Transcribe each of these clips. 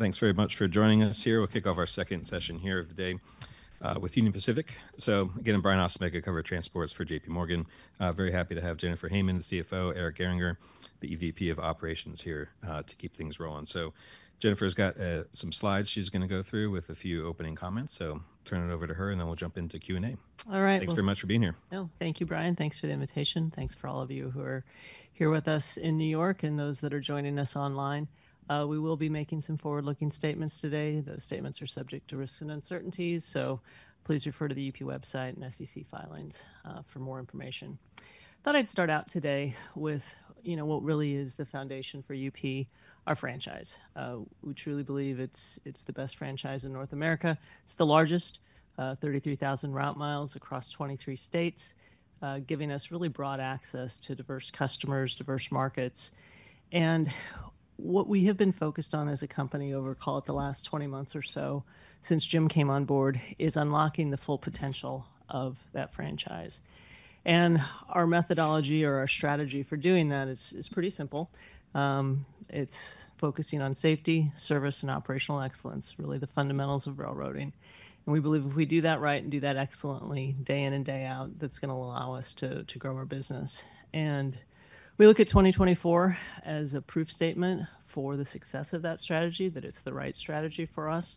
Thanks very much for joining us here. We'll kick off our second session here of the day with Union Pacific. Again, I'm Brian Ossenbeck, I cover transports for JPMorgan. Very happy to have Jennifer Hamann, CFO, Eric Gehringer, the EVP of Operations here to keep things rolling. Jennifer's got some slides she's going to go through with a few opening comments. I'll turn it over to her and then we'll jump into Q&A. All right. Thanks very much for being here. Oh, thank you, Brian. Thanks for the invitation. Thanks for all of you who are here with us in New York and those that are joining us online. We will be making some forward-looking statements today. Those statements are subject to risks and uncertainties. Please refer to the UP website and SEC filings for more information. Thought I'd start out today with, you know, what really is the foundation for UP, our franchise. We truly believe it's the best franchise in North America. It's the largest, 33,000 route mi across 23 states, giving us really broad access to diverse customers, diverse markets. What we have been focused on as a company over, call it the last 20 months or so since Jim came on board, is unlocking the full potential of that franchise. Our methodology or our strategy for doing that is pretty simple. It's focusing on safety, service, and operational excellence, really the fundamentals of railroading. We believe if we do that right and do that excellently day in and day out, that's going to allow us to grow our business. We look at 2024 as a proof statement for the success of that strategy, that it's the right strategy for us.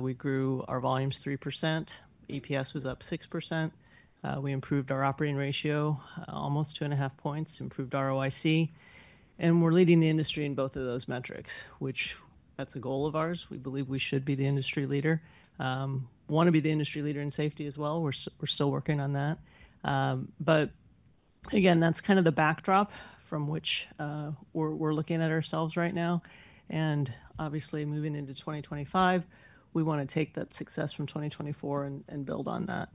We grew our volumes 3%, EPS was up 6%. We improved our operating ratio almost two and a half points, improved ROIC. We're leading the industry in both of those metrics, which that's a goal of ours. We believe we should be the industry leader. Want to be the industry leader in safety as well. We're still working on that. Again, that's kind of the backdrop from which we're looking at ourselves right now. Obviously, moving into 2025, we want to take that success from 2024 and build on that.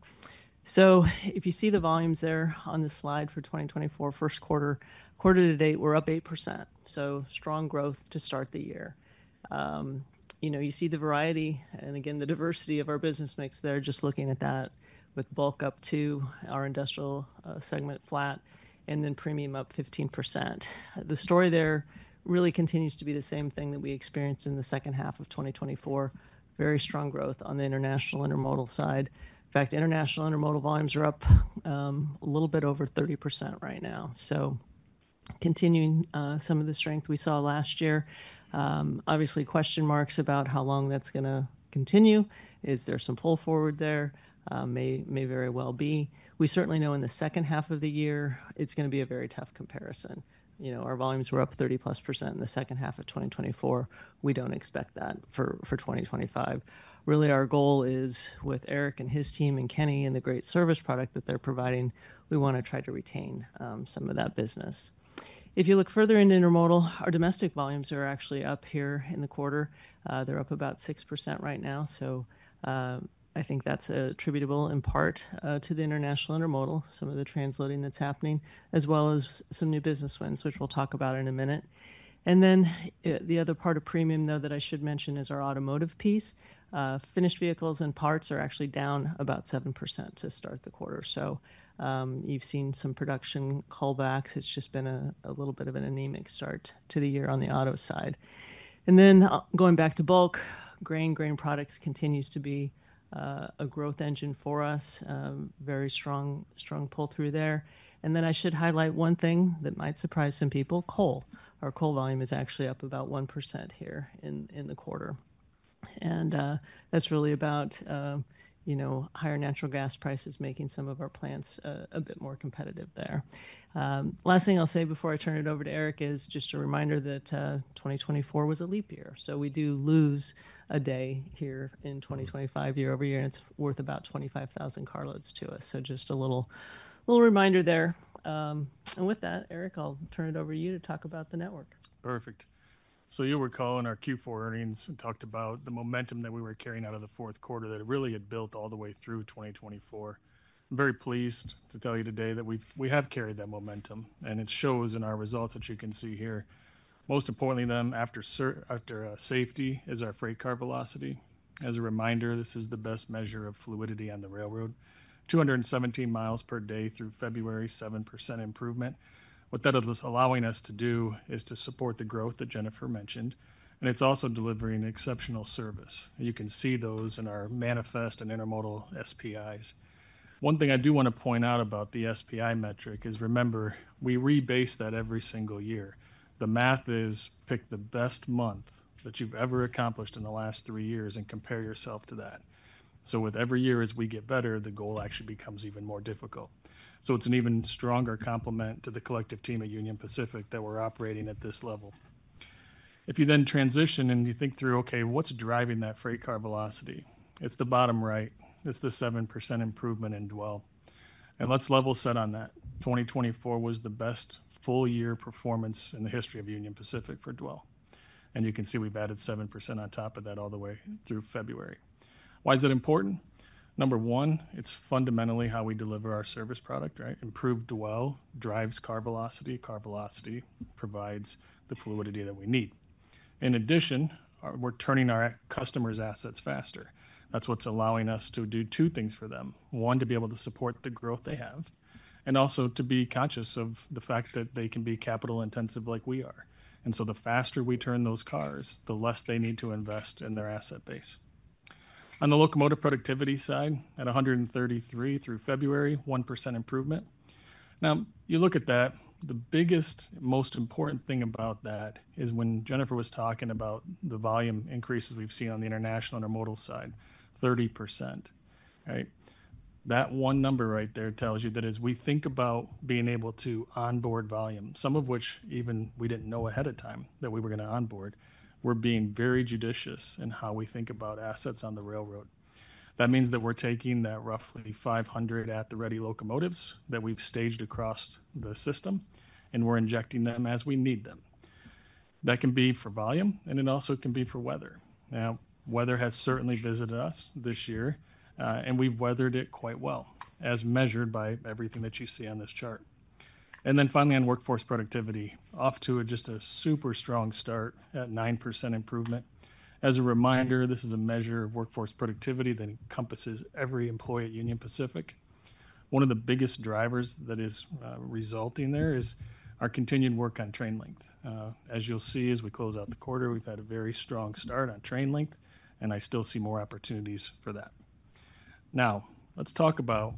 If you see the volumes there on the slide for 2024, first quarter, quarter to date, we're up 8%. Strong growth to start the year. You know, you see the variety and again, the diversity of our business mix there, just looking at that with bulk up to our industrial segment flat and then premium up 15%. The story there really continues to be the same thing that we experienced in the second half of 2024, very strong growth on the international intermodal side. In fact, international intermodal volumes are up a little bit over 30% right now. Continuing some of the strength we saw last year, obviously question marks about how long that's going to continue. Is there some pull forward there? May very well be. We certainly know in the second half of the year, it's going to be a very tough comparison. You know, our volumes were up 30%+ in the second half of 2024. We don't expect that for 2025. Really, our goal is with Eric and his team and Kenny and the great service product that they're providing, we want to try to retain some of that business. If you look further into intermodal, our domestic volumes are actually up here in the quarter. They're up about 6% right now. I think that's attributable in part to the international intermodal, some of the transloading that's happening, as well as some new business wins, which we'll talk about in a minute. The other part of premium, though, that I should mention is our automotive piece. Finished vehicles and parts are actually down about 7% to start the quarter. You have seen some production callbacks. It has just been a little bit of an anemic start to the year on the auto side. Going back to bulk, grain, grain products continues to be a growth engine for us, very strong, strong pull through there. I should highlight one thing that might surprise some people, coal. Our coal volume is actually up about 1% here in the quarter. That is really about, you know, higher natural gas prices making some of our plants a bit more competitive there. Last thing I will say before I turn it over to Eric is just a reminder that 2024 was a leap year. We do lose a day here in 2025 year-over-year, and it is worth about 25,000 carloads to us. Just a little, little reminder there. With that, Eric, I'll turn it over to you to talk about the network. Perfect. You were calling our Q4 earnings and talked about the momentum that we were carrying out of the fourth quarter that really had built all the way through 2024. I'm very pleased to tell you today that we have carried that momentum, and it shows in our results that you can see here. Most importantly, after safety is our freight car velocity. As a reminder, this is the best measure of fluidity on the railroad, 217 mi per day through February, 7% improvement. What that is allowing us to do is to support the growth that Jennifer mentioned, and it's also delivering exceptional service. You can see those in our manifest and intermodal SPIs. One thing I do want to point out about the SPI metric is remember, we rebase that every single year. The math is pick the best month that you've ever accomplished in the last three years and compare yourself to that. With every year as we get better, the goal actually becomes even more difficult. It is an even stronger compliment to the collective team at Union Pacific that we're operating at this level. If you then transition and you think through, okay, what's driving that freight car velocity? It's the bottom right. It's the 7% improvement in dwell. Let's level set on that. 2024 was the best full year performance in the history of Union Pacific for dwell. You can see we've added 7% on top of that all the way through February. Why is that important? Number one, it's fundamentally how we deliver our service product, right? Improved dwell drives car velocity, car velocity provides the fluidity that we need. In addition, we're turning our customers' assets faster. That's what's allowing us to do two things for them. One, to be able to support the growth they have, and also to be conscious of the fact that they can be capital intensive like we are. The faster we turn those cars, the less they need to invest in their asset base. On the locomotive productivity side, at 133 through February, 1% improvement. Now, you look at that, the biggest, most important thing about that is when Jennifer was talking about the volume increases we've seen on the international intermodal side, 30%, right? That one number right there tells you that as we think about being able to onboard volume, some of which even we didn't know ahead of time that we were going to onboard, we're being very judicious in how we think about assets on the railroad. That means that we're taking that roughly 500 at the ready locomotives that we've staged across the system, and we're injecting them as we need them. That can be for volume, and it also can be for weather. Now, weather has certainly visited us this year, and we've weathered it quite well, as measured by everything that you see on this chart. Finally, on workforce productivity, off to just a super strong start at 9% improvement. As a reminder, this is a measure of workforce productivity that encompasses every employee at Union Pacific. One of the biggest drivers that is resulting there is our continued work on train length. As you'll see, as we close out the quarter, we've had a very strong start on train length, and I still see more opportunities for that. Now, let's talk about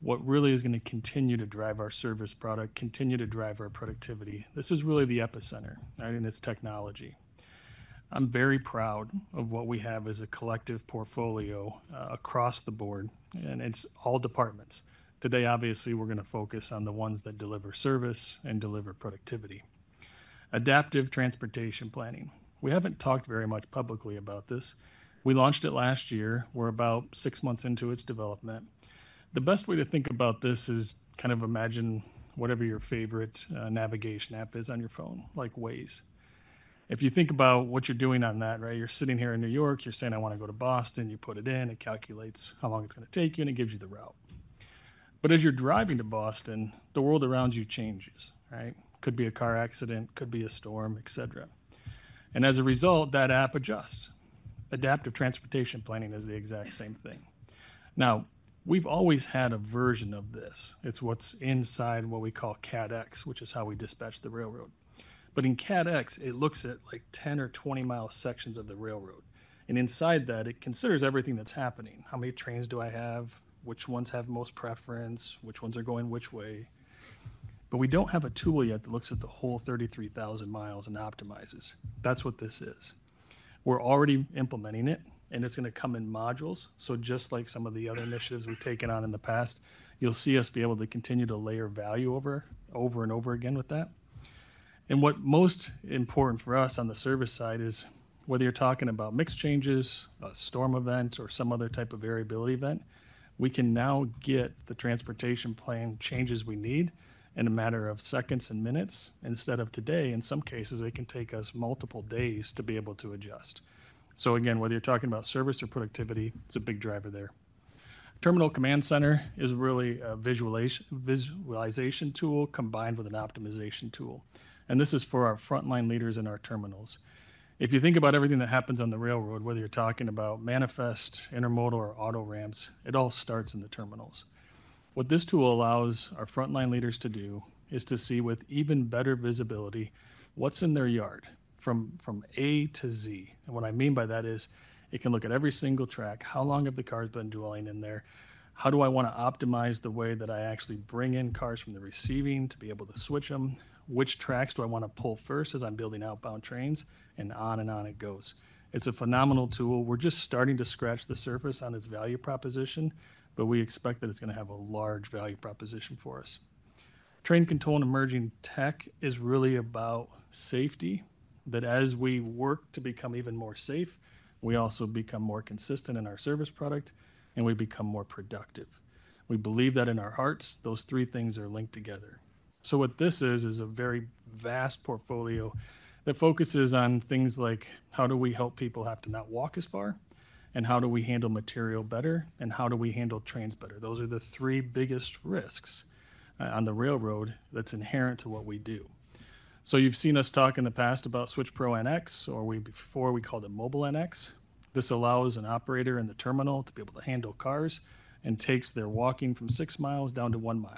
what really is going to continue to drive our service product, continue to drive our productivity. This is really the epicenter in this technology. I'm very proud of what we have as a collective portfolio across the board, and it's all departments. Today, obviously, we're going to focus on the ones that deliver service and deliver productivity. Adaptive transportation planning. We haven't talked very much publicly about this. We launched it last year. We're about six months into its development. The best way to think about this is kind of imagine whatever your favorite navigation app is on your phone, like Waze. If you think about what you're doing on that, right, you're sitting here in New York, you're saying, "I want to go to Boston." You put it in, it calculates how long it's going to take you, and it gives you the route. As you're driving to Boston, the world around you changes, right? Could be a car accident, could be a storm, etc. As a result, that app adjusts. Adaptive transportation planning is the exact same thing. Now, we've always had a version of this. It's what's inside what we call CADX, which is how we dispatch the railroad. In CADX, it looks at like 10 or 20 mi sections of the railroad. Inside that, it considers everything that's happening. How many trains do I have? Which ones have most preference? Which ones are going which way? We don't have a tool yet that looks at the whole 33,000 mi and optimizes. That's what this is. We're already implementing it, and it's going to come in modules. Just like some of the other initiatives we've taken on in the past, you'll see us be able to continue to layer value over and over again with that. What's most important for us on the service side is whether you're talking about mixed changes, a storm event, or some other type of variability event, we can now get the transportation plan changes we need in a matter of seconds and minutes. Instead of today, in some cases, it can take us multiple days to be able to adjust. Again, whether you're talking about service or productivity, it's a big driver there. Terminal Command Center is really a visualization tool combined with an optimization tool. This is for our frontline leaders in our terminals. If you think about everything that happens on the railroad, whether you're talking about manifest, intermodal, or auto ramps, it all starts in the terminals. What this tool allows our frontline leaders to do is to see with even better visibility what's in their yard from A to Z. What I mean by that is it can look at every single track, how long have the cars been dwelling in there, how do I want to optimize the way that I actually bring in cars from the receiving to be able to switch them, which tracks do I want to pull first as I'm building outbound trains, and on and on it goes. It's a phenomenal tool. We're just starting to scratch the surface on its value proposition, but we expect that it's going to have a large value proposition for us. Train control and emerging tech is really about safety, that as we work to become even more safe, we also become more consistent in our service product, and we become more productive. We believe that in our hearts, those three things are linked together. What this is, is a very vast portfolio that focuses on things like how do we help people have to not walk as far, and how do we handle material better, and how do we handle trains better. Those are the three biggest risks on the railroad that's inherent to what we do. You have seen us talk in the past about SwitchPro NX, or before we called it Mobile NX. This allows an operator in the terminal to be able to handle cars and takes their walking from 6 mi down to 1 mi.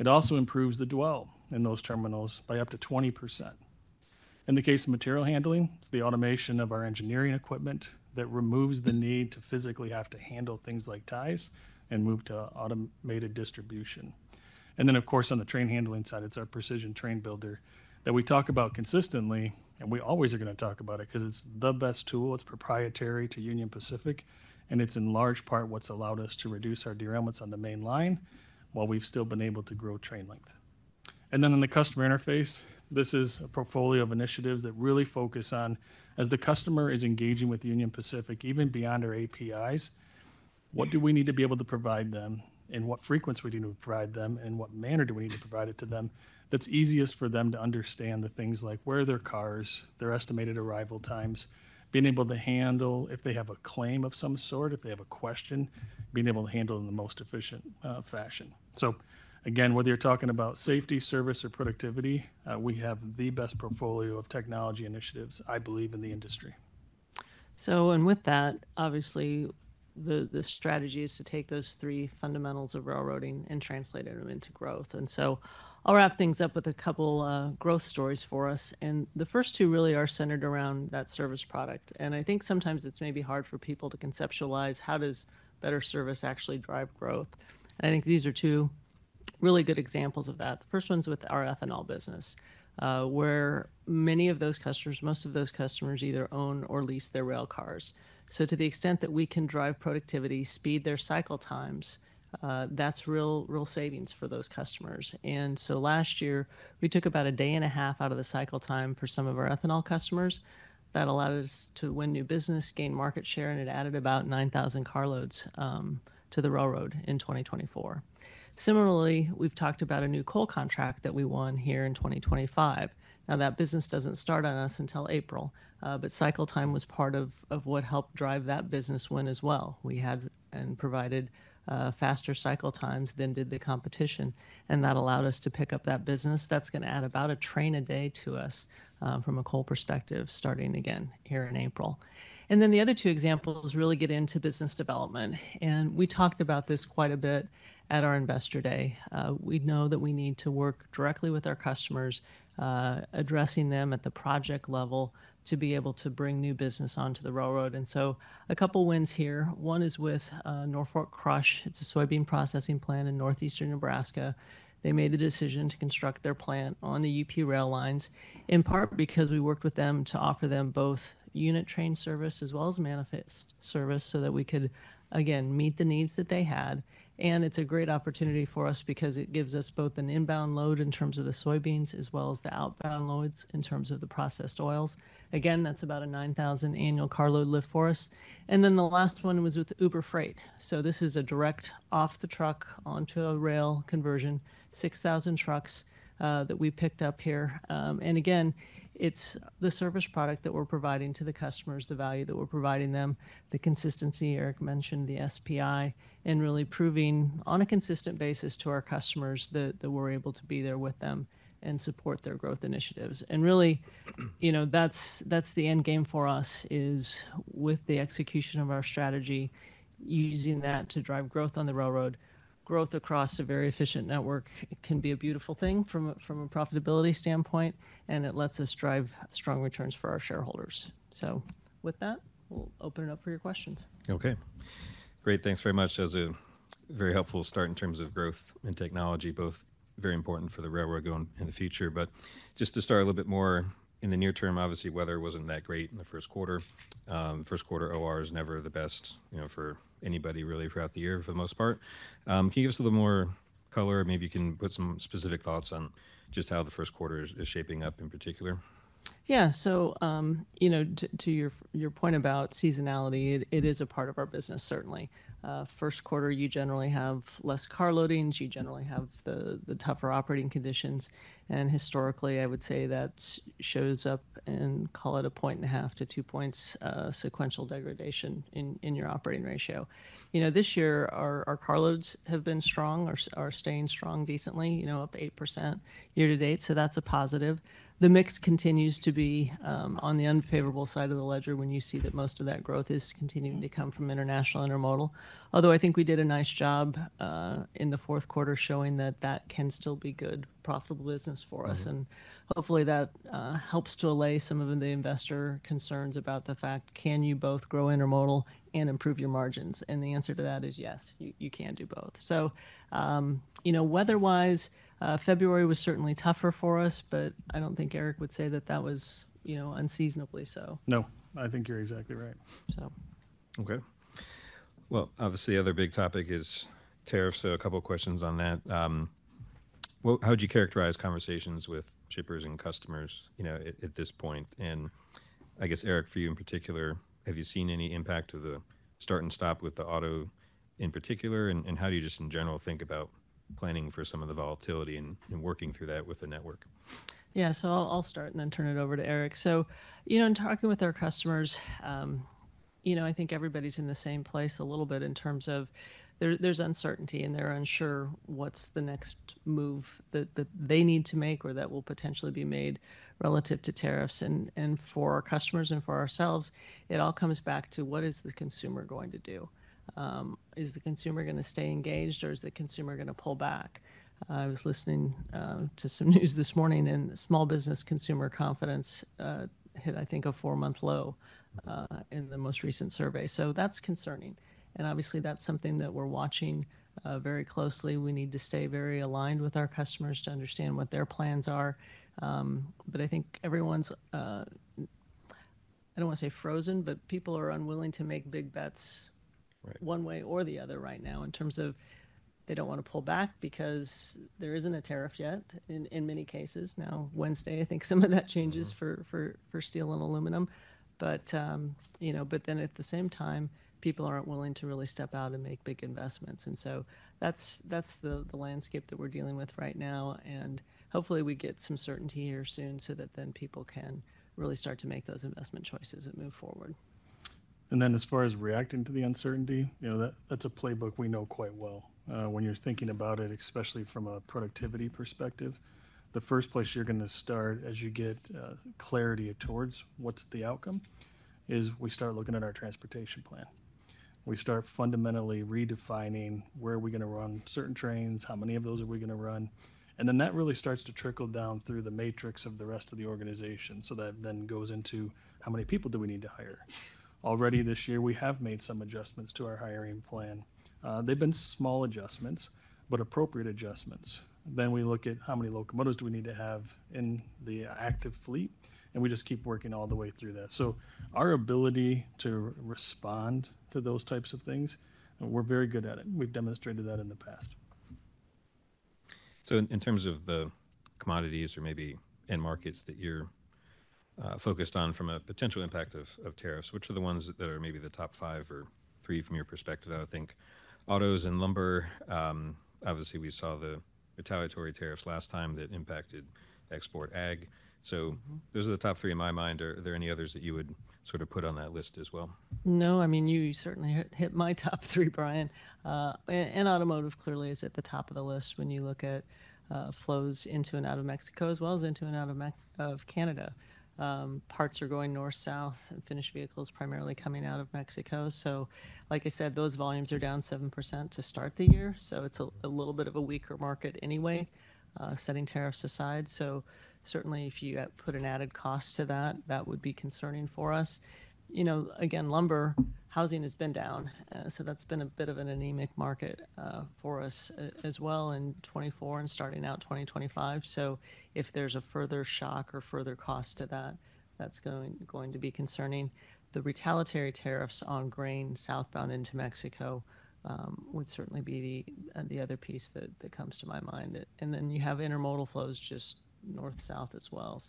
It also improves the dwell in those terminals by up to 20%. In the case of material handling, it's the automation of our engineering equipment that removes the need to physically have to handle things like ties and move to automated distribution. Of course, on the train handling side, it's our precision train builder that we talk about consistently, and we always are going to talk about it because it's the best tool. It's proprietary to Union Pacific, and it's in large part what's allowed us to reduce our derailments on the main line while we've still been able to grow train length. In the customer interface, this is a portfolio of initiatives that really focus on, as the customer is engaging with Union Pacific, even beyond our APIs, what do we need to be able to provide them, in what frequency we need to provide them, and in what manner do we need to provide it to them that's easiest for them to understand the things like where their cars, their estimated arrival times, being able to handle if they have a claim of some sort, if they have a question, being able to handle it in the most efficient fashion. Again, whether you're talking about safety, service, or productivity, we have the best portfolio of technology initiatives, I believe, in the industry. Obviously, the strategy is to take those three fundamentals of railroading and translate them into growth. I'll wrap things up with a couple of growth stories for us. The first two really are centered around that service product. I think sometimes it's maybe hard for people to conceptualize how does better service actually drive growth. I think these are two really good examples of that. The first one's with our ethanol business, where many of those customers, most of those customers either own or lease their rail cars. To the extent that we can drive productivity, speed their cycle times, that's real savings for those customers. Last year, we took about a day and a half out of the cycle time for some of our ethanol customers. That allowed us to win new business, gain market share, and it added about 9,000 carloads to the railroad in 2024. Similarly, we've talked about a new coal contract that we won here in 2025. Now, that business doesn't start on us until April, but cycle time was part of what helped drive that business win as well. We had and provided faster cycle times than did the competition, and that allowed us to pick up that business. That's going to add about a train a day to us from a coal perspective starting again here in April. The other two examples really get into business development. We talked about this quite a bit at our investor day. We know that we need to work directly with our customers, addressing them at the project level to be able to bring new business onto the railroad. A couple of wins here. One is with Norfolk Crush. It is a soybean processing plant in northeastern Nebraska. They made the decision to construct their plant on the UP rail lines, in part because we worked with them to offer them both unit train service as well as manifest service so that we could, again, meet the needs that they had. It is a great opportunity for us because it gives us both an inbound load in terms of the soybeans as well as the outbound loads in terms of the processed oils. That is about a 9,000 annual carload lift for us. The last one was with Uber Freight. This is a direct off-the-truck onto a rail conversion, 6,000 trucks that we picked up here. It is the service product that we are providing to the customers, the value that we are providing them, the consistency Eric mentioned, the SPI, and really proving on a consistent basis to our customers that we are able to be there with them and support their growth initiatives. Really, that is the end game for us, with the execution of our strategy, using that to drive growth on the railroad. Growth across a very efficient network can be a beautiful thing from a profitability standpoint, and it lets us drive strong returns for our shareholders. We will open it up for your questions. Okay. Great. Thanks very much. That was a very helpful start in terms of growth and technology, both very important for the railroad going in the future. Just to start a little bit more in the near term, obviously, weather was not that great in the first quarter. First quarter [OR] is never the best for anybody really throughout the year for the most part. Can you give us a little more color? Maybe you can put some specific thoughts on just how the first quarter is shaping up in particular. Yeah. To your point about seasonality, it is a part of our business, certainly. First quarter, you generally have less car loadings. You generally have the tougher operating conditions. Historically, I would say that shows up in, call it a point and a half to two points sequential degradation in your operating ratio. This year, our carloads have been strong, are staying strong decently, up 8% year to date. That is a positive. The mix continues to be on the unfavorable side of the ledger when you see that most of that growth is continuing to come from international intermodal. Although I think we did a nice job in the fourth quarter showing that that can still be good profitable business for us. Hopefully, that helps to allay some of the investor concerns about the fact, can you both grow intermodal and improve your margins? The answer to that is yes, you can do both. Weather-wise, February was certainly tougher for us, but I do not think Eric would say that that was unseasonably so. No. I think you're exactly right. So. Okay. Obviously, the other big topic is tariffs. A couple of questions on that. How would you characterize conversations with shippers and customers at this point? I guess, Eric, for you in particular, have you seen any impact of the start and stop with the auto in particular? How do you just in general think about planning for some of the volatility and working through that with the network? Yeah. I'll start and then turn it over to Eric. In talking with our customers, I think everybody's in the same place a little bit in terms of there's uncertainty and they're unsure what's the next move that they need to make or that will potentially be made relative to tariffs. For our customers and for ourselves, it all comes back to what is the consumer going to do. Is the consumer going to stay engaged or is the consumer going to pull back. I was listening to some news this morning and small business consumer confidence hit, I think, a four-month low in the most recent survey. That's concerning. Obviously, that's something that we're watching very closely. We need to stay very aligned with our customers to understand what their plans are. I think everyone's, I don't want to say frozen, but people are unwilling to make big bets one way or the other right now in terms of they don't want to pull back because there isn't a tariff yet in many cases. Now, Wednesday, I think some of that changes for steel and aluminum. At the same time, people aren't willing to really step out and make big investments. That is the landscape that we're dealing with right now. Hopefully, we get some certainty here soon so that then people can really start to make those investment choices and move forward. As far as reacting to the uncertainty, that is a playbook we know quite well. When you are thinking about it, especially from a productivity perspective, the first place you are going to start as you get clarity towards what is the outcome is we start looking at our transportation plan. We start fundamentally redefining where are we going to run certain trains, how many of those are we going to run. That really starts to trickle down through the matrix of the rest of the organization. That then goes into how many people do we need to hire. Already this year, we have made some adjustments to our hiring plan. They have been small adjustments, but appropriate adjustments. We look at how many locomotives do we need to have in the active fleet, and we just keep working all the way through that. Our ability to respond to those types of things, we're very good at it. We've demonstrated that in the past. In terms of the commodities or maybe end markets that you're focused on from a potential impact of tariffs, which are the ones that are maybe the top five or three from your perspective? I think autos and lumber. Obviously, we saw the retaliatory tariffs last time that impacted export ag. Those are the top three in my mind. Are there any others that you would sort of put on that list as well? No. I mean, you certainly hit my top three, Brian. Automotive clearly is at the top of the list when you look at flows into and out of Mexico as well as into and out of Canada. Parts are going north-south and finished vehicles primarily coming out of Mexico. Like I said, those volumes are down 7% to start the year. It is a little bit of a weaker market anyway, setting tariffs aside. Certainly, if you put an added cost to that, that would be concerning for us. Again, lumber, housing has been down. That has been a bit of an anemic market for us as well in 2024 and starting out 2025. If there is a further shock or further cost to that, that is going to be concerning. The retaliatory tariffs on grain southbound into Mexico would certainly be the other piece that comes to my mind. You have intermodal flows just north-south as well.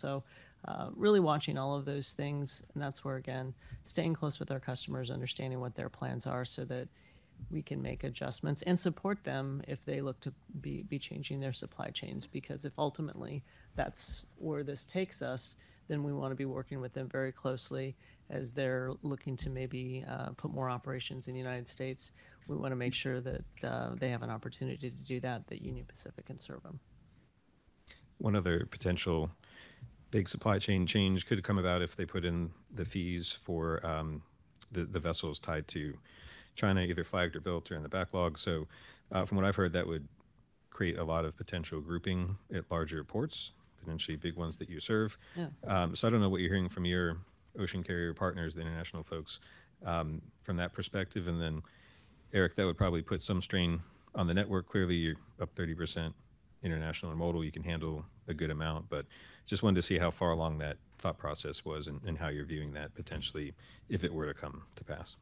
Really watching all of those things. That is where, again, staying close with our customers, understanding what their plans are so that we can make adjustments and support them if they look to be changing their supply chains. Because if ultimately that is where this takes us, we want to be working with them very closely as they are looking to maybe put more operations in the United States. We want to make sure that they have an opportunity to do that, that Union Pacific can serve them. One other potential big supply chain change could come about if they put in the fees for the vessels tied to China, either flagged or built or in the backlog. From what I've heard, that would create a lot of potential grouping at larger ports, potentially big ones that you serve. I don't know what you're hearing from your ocean carrier partners, the international folks, from that perspective. Eric, that would probably put some strain on the network. Clearly, you're up 30% international intermodal. You can handle a good amount. I just wanted to see how far along that thought process was and how you're viewing that potentially if it were to come to pass.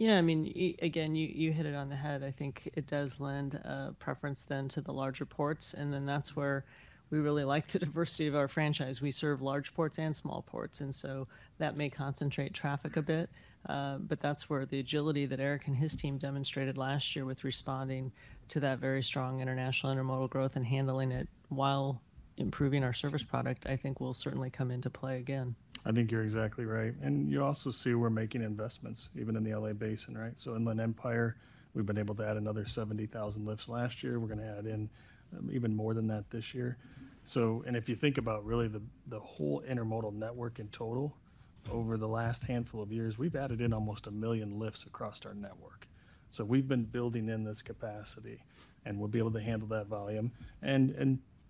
Yeah. I mean, again, you hit it on the head. I think it does lend preference then to the larger ports. That is where we really like the diversity of our franchise. We serve large ports and small ports. That may concentrate traffic a bit. That is where the agility that Eric and his team demonstrated last year with responding to that very strong international intermodal growth and handling it while improving our service product, I think will certainly come into play again. I think you're exactly right. You also see we're making investments, even in the LA Basin, right? Inland Empire, we've been able to add another 70,000 lifts last year. We're going to add in even more than that this year. If you think about really the whole intermodal network in total, over the last handful of years, we've added in almost a million lifts across our network. We've been building in this capacity, and we'll be able to handle that volume.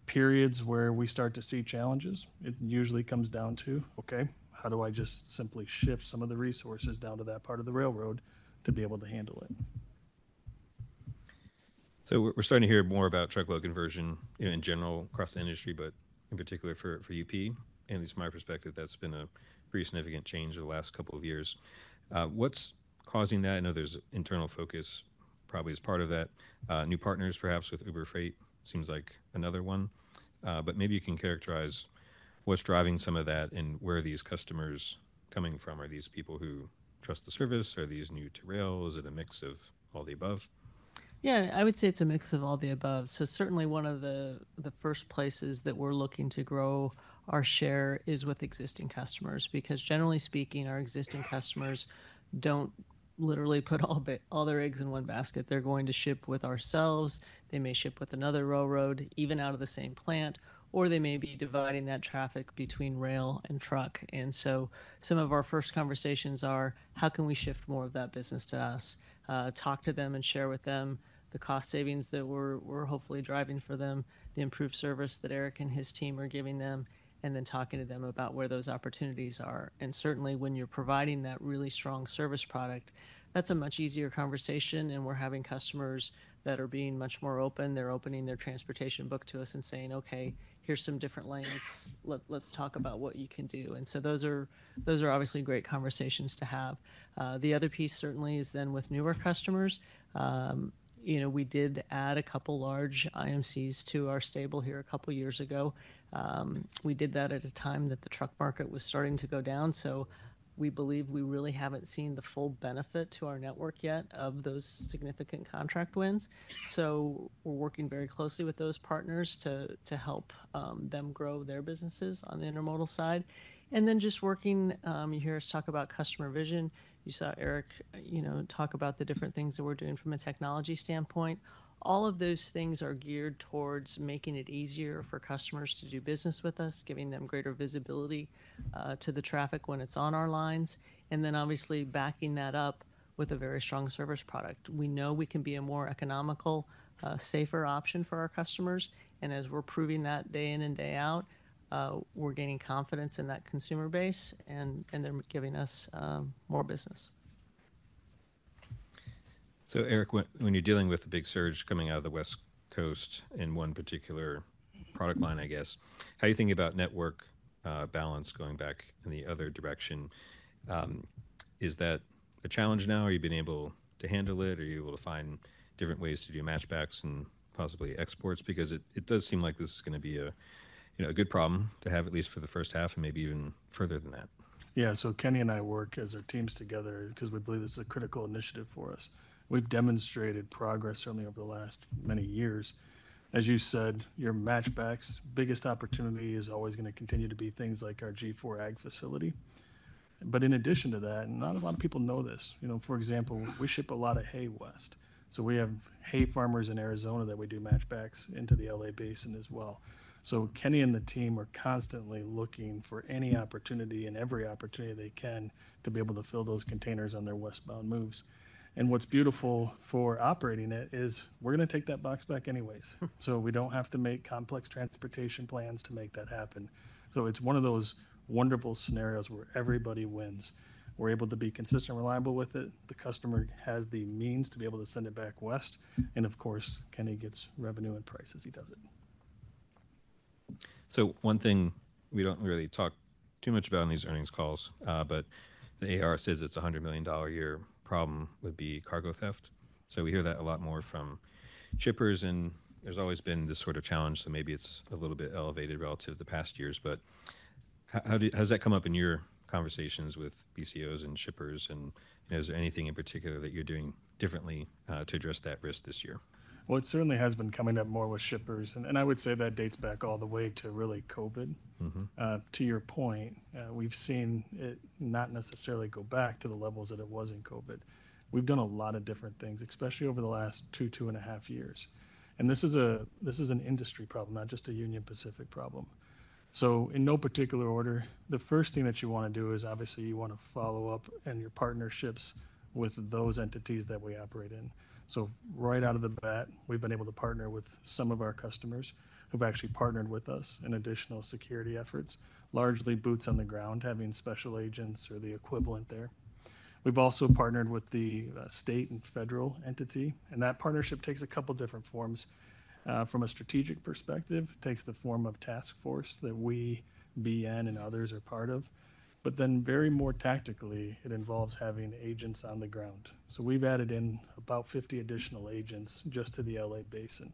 Periods where we start to see challenges, it usually comes down to, okay, how do I just simply shift some of the resources down to that part of the railroad to be able to handle it? We're starting to hear more about truckload conversion in general across the industry, but in particular for UP. At least from my perspective, that's been a pretty significant change over the last couple of years. What's causing that? I know there's internal focus probably as part of that. New partners, perhaps, with Uber Freight seems like another one. Maybe you can characterize what's driving some of that and where are these customers coming from? Are these people who trust the service? Are these new to rail? Is it a mix of all the above? Yeah. I would say it's a mix of all the above. Certainly, one of the first places that we're looking to grow our share is with existing customers. Because generally speaking, our existing customers don't literally put all their eggs in one basket. They're going to ship with ourselves. They may ship with another railroad, even out of the same plant, or they may be dividing that traffic between rail and truck. Some of our first conversations are, how can we shift more of that business to us? Talk to them and share with them the cost savings that we're hopefully driving for them, the improved service that Eric and his team are giving them, and then talking to them about where those opportunities are. Certainly, when you're providing that really strong service product, that's a much easier conversation. We are having customers that are being much more open. They are opening their transportation book to us and saying, okay, here are some different lanes. Let's talk about what you can do. Those are obviously great conversations to have. The other piece certainly is with newer customers. We did add a couple large IMCs to our stable here a couple of years ago. We did that at a time that the truck market was starting to go down. We believe we really have not seen the full benefit to our network yet of those significant contract wins. We are working very closely with those partners to help them grow their businesses on the intermodal side. You hear us talk about customer vision. You saw Eric talk about the different things that we are doing from a technology standpoint. All of those things are geared towards making it easier for customers to do business with us, giving them greater visibility to the traffic when it's on our lines, and obviously backing that up with a very strong service product. We know we can be a more economical, safer option for our customers. As we're proving that day in and day out, we're gaining confidence in that consumer base, and they're giving us more business. Eric, when you're dealing with the big surge coming out of the West Coast in one particular product line, I guess, how do you think about network balance going back in the other direction? Is that a challenge now? Are you being able to handle it? Are you able to find different ways to do matchbacks and possibly exports? Because it does seem like this is going to be a good problem to have, at least for the first half and maybe even further than that. Yeah. Kenny and I work as our teams together because we believe it's a critical initiative for us. We've demonstrated progress certainly over the last many years. As you said, your matchbacks, biggest opportunity is always going to continue to be things like our G4 ag facility. In addition to that, not a lot of people know this. For example, we ship a lot of hay west. We have hay farmers in Arizona that we do matchbacks into the LA Basin as well. Kenny and the team are constantly looking for any opportunity and every opportunity they can to be able to fill those containers on their westbound moves. What's beautiful for operating it is we're going to take that box back anyways. We don't have to make complex transportation plans to make that happen. It is one of those wonderful scenarios where everybody wins. We are able to be consistent and reliable with it. The customer has the means to be able to send it back west. Of course, Kenny gets revenue and price as he does it. One thing we do not really talk too much about in these earnings calls, but the AR says it is a $100 million a year problem, would be cargo theft. We hear that a lot more from shippers. There has always been this sort of challenge. Maybe it is a little bit elevated relative to the past years. How has that come up in your conversations with BCOs and shippers? Is there anything in particular that you are doing differently to address that risk this year? It certainly has been coming up more with shippers. I would say that dates back all the way to really COVID. To your point, we've seen it not necessarily go back to the levels that it was in COVID. We've done a lot of different things, especially over the last two, two and a half years. This is an industry problem, not just a Union Pacific problem. In no particular order, the first thing that you want to do is obviously you want to follow up and your partnerships with those entities that we operate in. Right out of the bat, we've been able to partner with some of our customers who've actually partnered with us in additional security efforts, largely boots on the ground, having special agents or the equivalent there. We've also partnered with the state and federal entity. That partnership takes a couple of different forms. From a strategic perspective, it takes the form of a task force that we, BNSF Railway, and others are part of. Very tactically, it involves having agents on the ground. We have added in about 50 additional agents just to the LA Basin.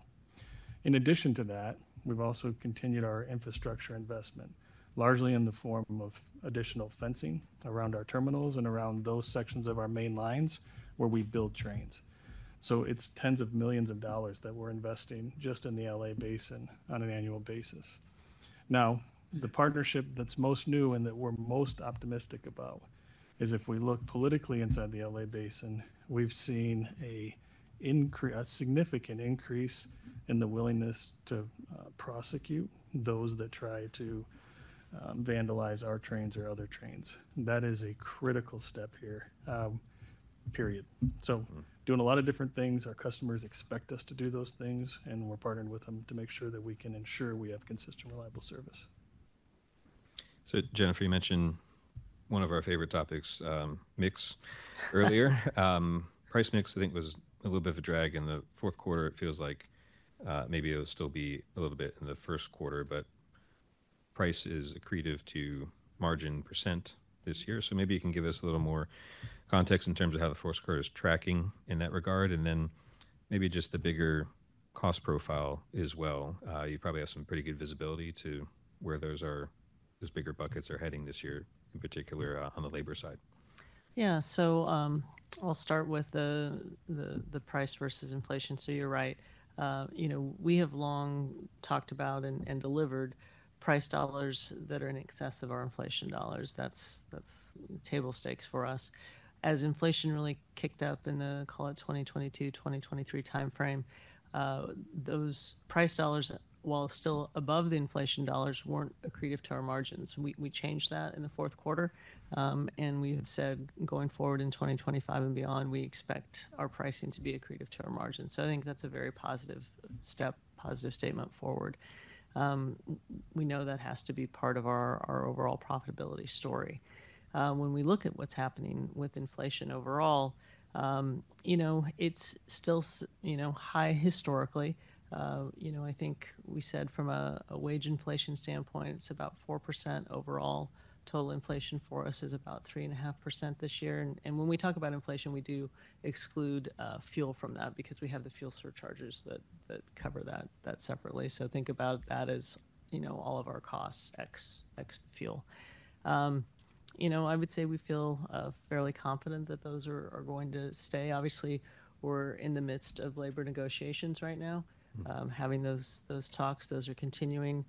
In addition to that, we have also continued our infrastructure investment, largely in the form of additional fencing around our terminals and around those sections of our main lines where we build trains. It is tens of millions of dollars that we are investing just in the LA Basin on an annual basis. The partnership that is most new and that we are most optimistic about is if we look politically inside the LA Basin, we have seen a significant increase in the willingness to prosecute those that try to vandalize our trains or other trains. That is a critical step here. Period. Doing a lot of different things. Our customers expect us to do those things, and we're partnering with them to make sure that we can ensure we have consistent, reliable service. Jennifer, you mentioned one of our favorite topics, mix earlier. Price mix, I think, was a little bit of a drag in the fourth quarter. It feels like maybe it'll still be a little bit in the first quarter, but price is accretive to margin percent this year. Maybe you can give us a little more context in terms of how the fourth quarter is tracking in that regard. Maybe just the bigger cost profile as well. You probably have some pretty good visibility to where those bigger buckets are heading this year, in particular on the labor side. Yeah. I'll start with the price versus inflation. You're right. We have long talked about and delivered price dollars that are in excess of our inflation dollars. That's table stakes for us. As inflation really kicked up in the, call it 2022, 2023 timeframe, those price dollars, while still above the inflation dollars, weren't accretive to our margins. We changed that in the fourth quarter. We have said going forward in 2025 and beyond, we expect our pricing to be accretive to our margins. I think that's a very positive step, positive statement forward. We know that has to be part of our overall profitability story. When we look at what's happening with inflation overall, it's still high historically. I think we said from a wage inflation standpoint, it's about 4% overall. Total inflation for us is about 3.5% this year. When we talk about inflation, we do exclude fuel from that because we have the fuel surcharges that cover that separately. Think about that as all of our costs ex fuel. I would say we feel fairly confident that those are going to stay. Obviously, we're in the midst of labor negotiations right now, having those talks. Those are continuing.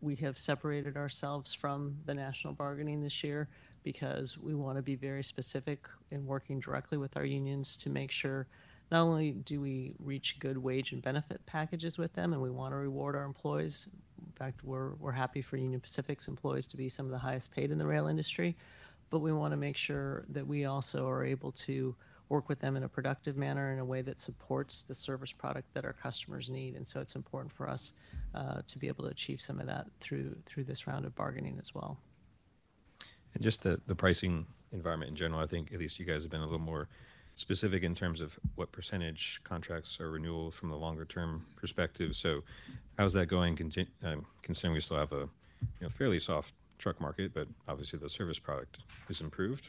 We have separated ourselves from the national bargaining this year because we want to be very specific in working directly with our unions to make sure not only do we reach good wage and benefit packages with them, and we want to reward our employees. In fact, we're happy for Union Pacific's employees to be some of the highest paid in the rail industry. We want to make sure that we also are able to work with them in a productive manner in a way that supports the service product that our customers need. It is important for us to be able to achieve some of that through this round of bargaining as well. Just the pricing environment in general, I think at least you guys have been a little more specific in terms of what percentage contracts are renewal from the longer-term perspective. How's that going? Considering we still have a fairly soft truck market, obviously the service product has improved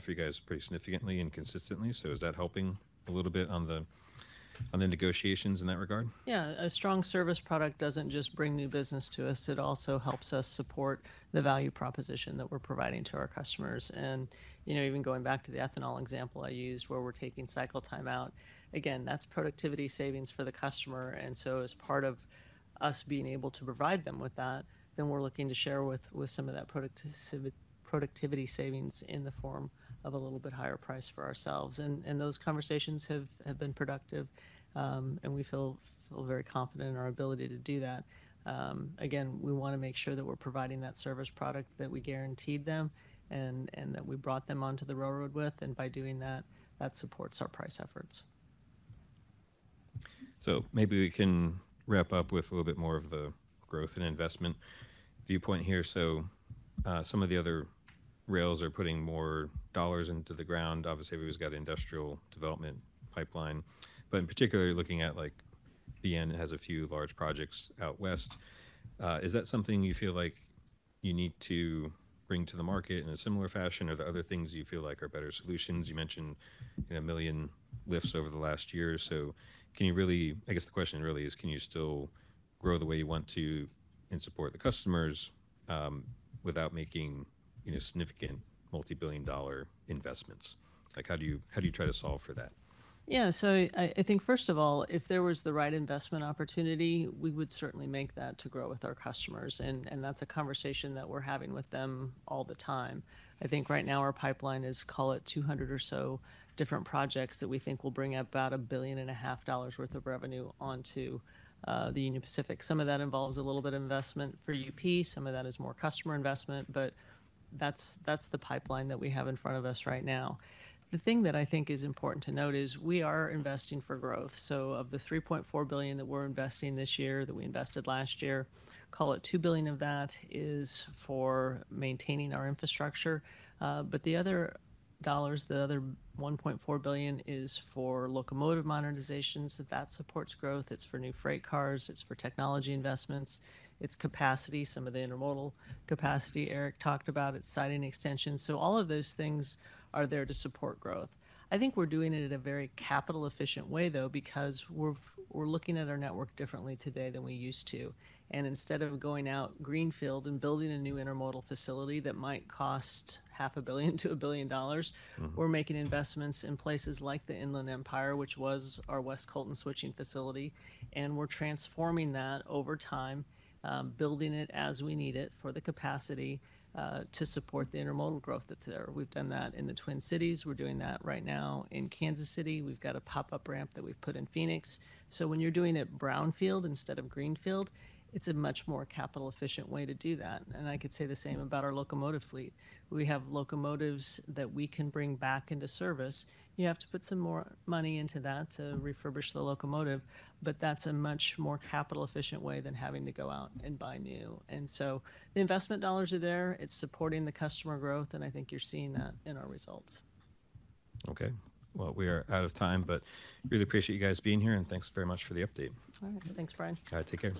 for you guys pretty significantly and consistently. Is that helping a little bit on the negotiations in that regard? Yeah. A strong service product does not just bring new business to us. It also helps us support the value proposition that we are providing to our customers. Even going back to the ethanol example I used, where we are taking cycle time out, again, that is productivity savings for the customer. As part of us being able to provide them with that, we are looking to share some of that productivity savings in the form of a little bit higher price for ourselves. Those conversations have been productive, and we feel very confident in our ability to do that. We want to make sure that we are providing that service product that we guaranteed them and that we brought them onto the railroad with. By doing that, that supports our price efforts. Maybe we can wrap up with a little bit more of the growth and investment viewpoint here. Some of the other rails are putting more dollars into the ground. Obviously, everybody's got an industrial development pipeline. In particular, looking at BNSF Railway, it has a few large projects out west. Is that something you feel like you need to bring to the market in a similar fashion? Are there other things you feel like are better solutions? You mentioned a million lifts over the last year. The question really is, can you still grow the way you want to and support the customers without making significant multi-billion dollar investments? How do you try to solve for that? Yeah. So I think, first of all, if there was the right investment opportunity, we would certainly make that to grow with our customers. That's a conversation that we're having with them all the time. I think right now our pipeline is, call it 200 or so different projects that we think will bring about $1.5 billion worth of revenue onto the Union Pacific. Some of that involves a little bit of investment for UP. Some of that is more customer investment. That's the pipeline that we have in front of us right now. The thing that I think is important to note is we are investing for growth. Of the $3.4 billion that we're investing this year that we invested last year, call it $2 billion of that is for maintaining our infrastructure. The other dollars, the other $1.4 billion is for locomotive modernizations. That supports growth. It is for new freight cars. It is for technology investments. It is capacity, some of the intermodal capacity Eric talked about. It is siding extensions. All of those things are there to support growth. I think we are doing it in a very capital-efficient way, though, because we are looking at our network differently today than we used to. Instead of going out greenfield and building a new intermodal facility that might cost $500 million-$1 billion, we are making investments in places like the Inland Empire, which was our West Colton switching facility. We are transforming that over time, building it as we need it for the capacity to support the intermodal growth that is there. We have done that in the Twin Cities. We are doing that right now in Kansas City. We've got a pop-up ramp that we've put in Phoenix. When you're doing it brownfield instead of greenfield, it's a much more capital-efficient way to do that. I could say the same about our locomotive fleet. We have locomotives that we can bring back into service. You have to put some more money into that to refurbish the locomotive, but that's a much more capital-efficient way than having to go out and buy new. The investment dollars are there. It's supporting the customer growth. I think you're seeing that in our results. Okay. We are out of time, but really appreciate you guys being here. Thanks very much for the update. All right. Thanks, Brian. All right. Take care.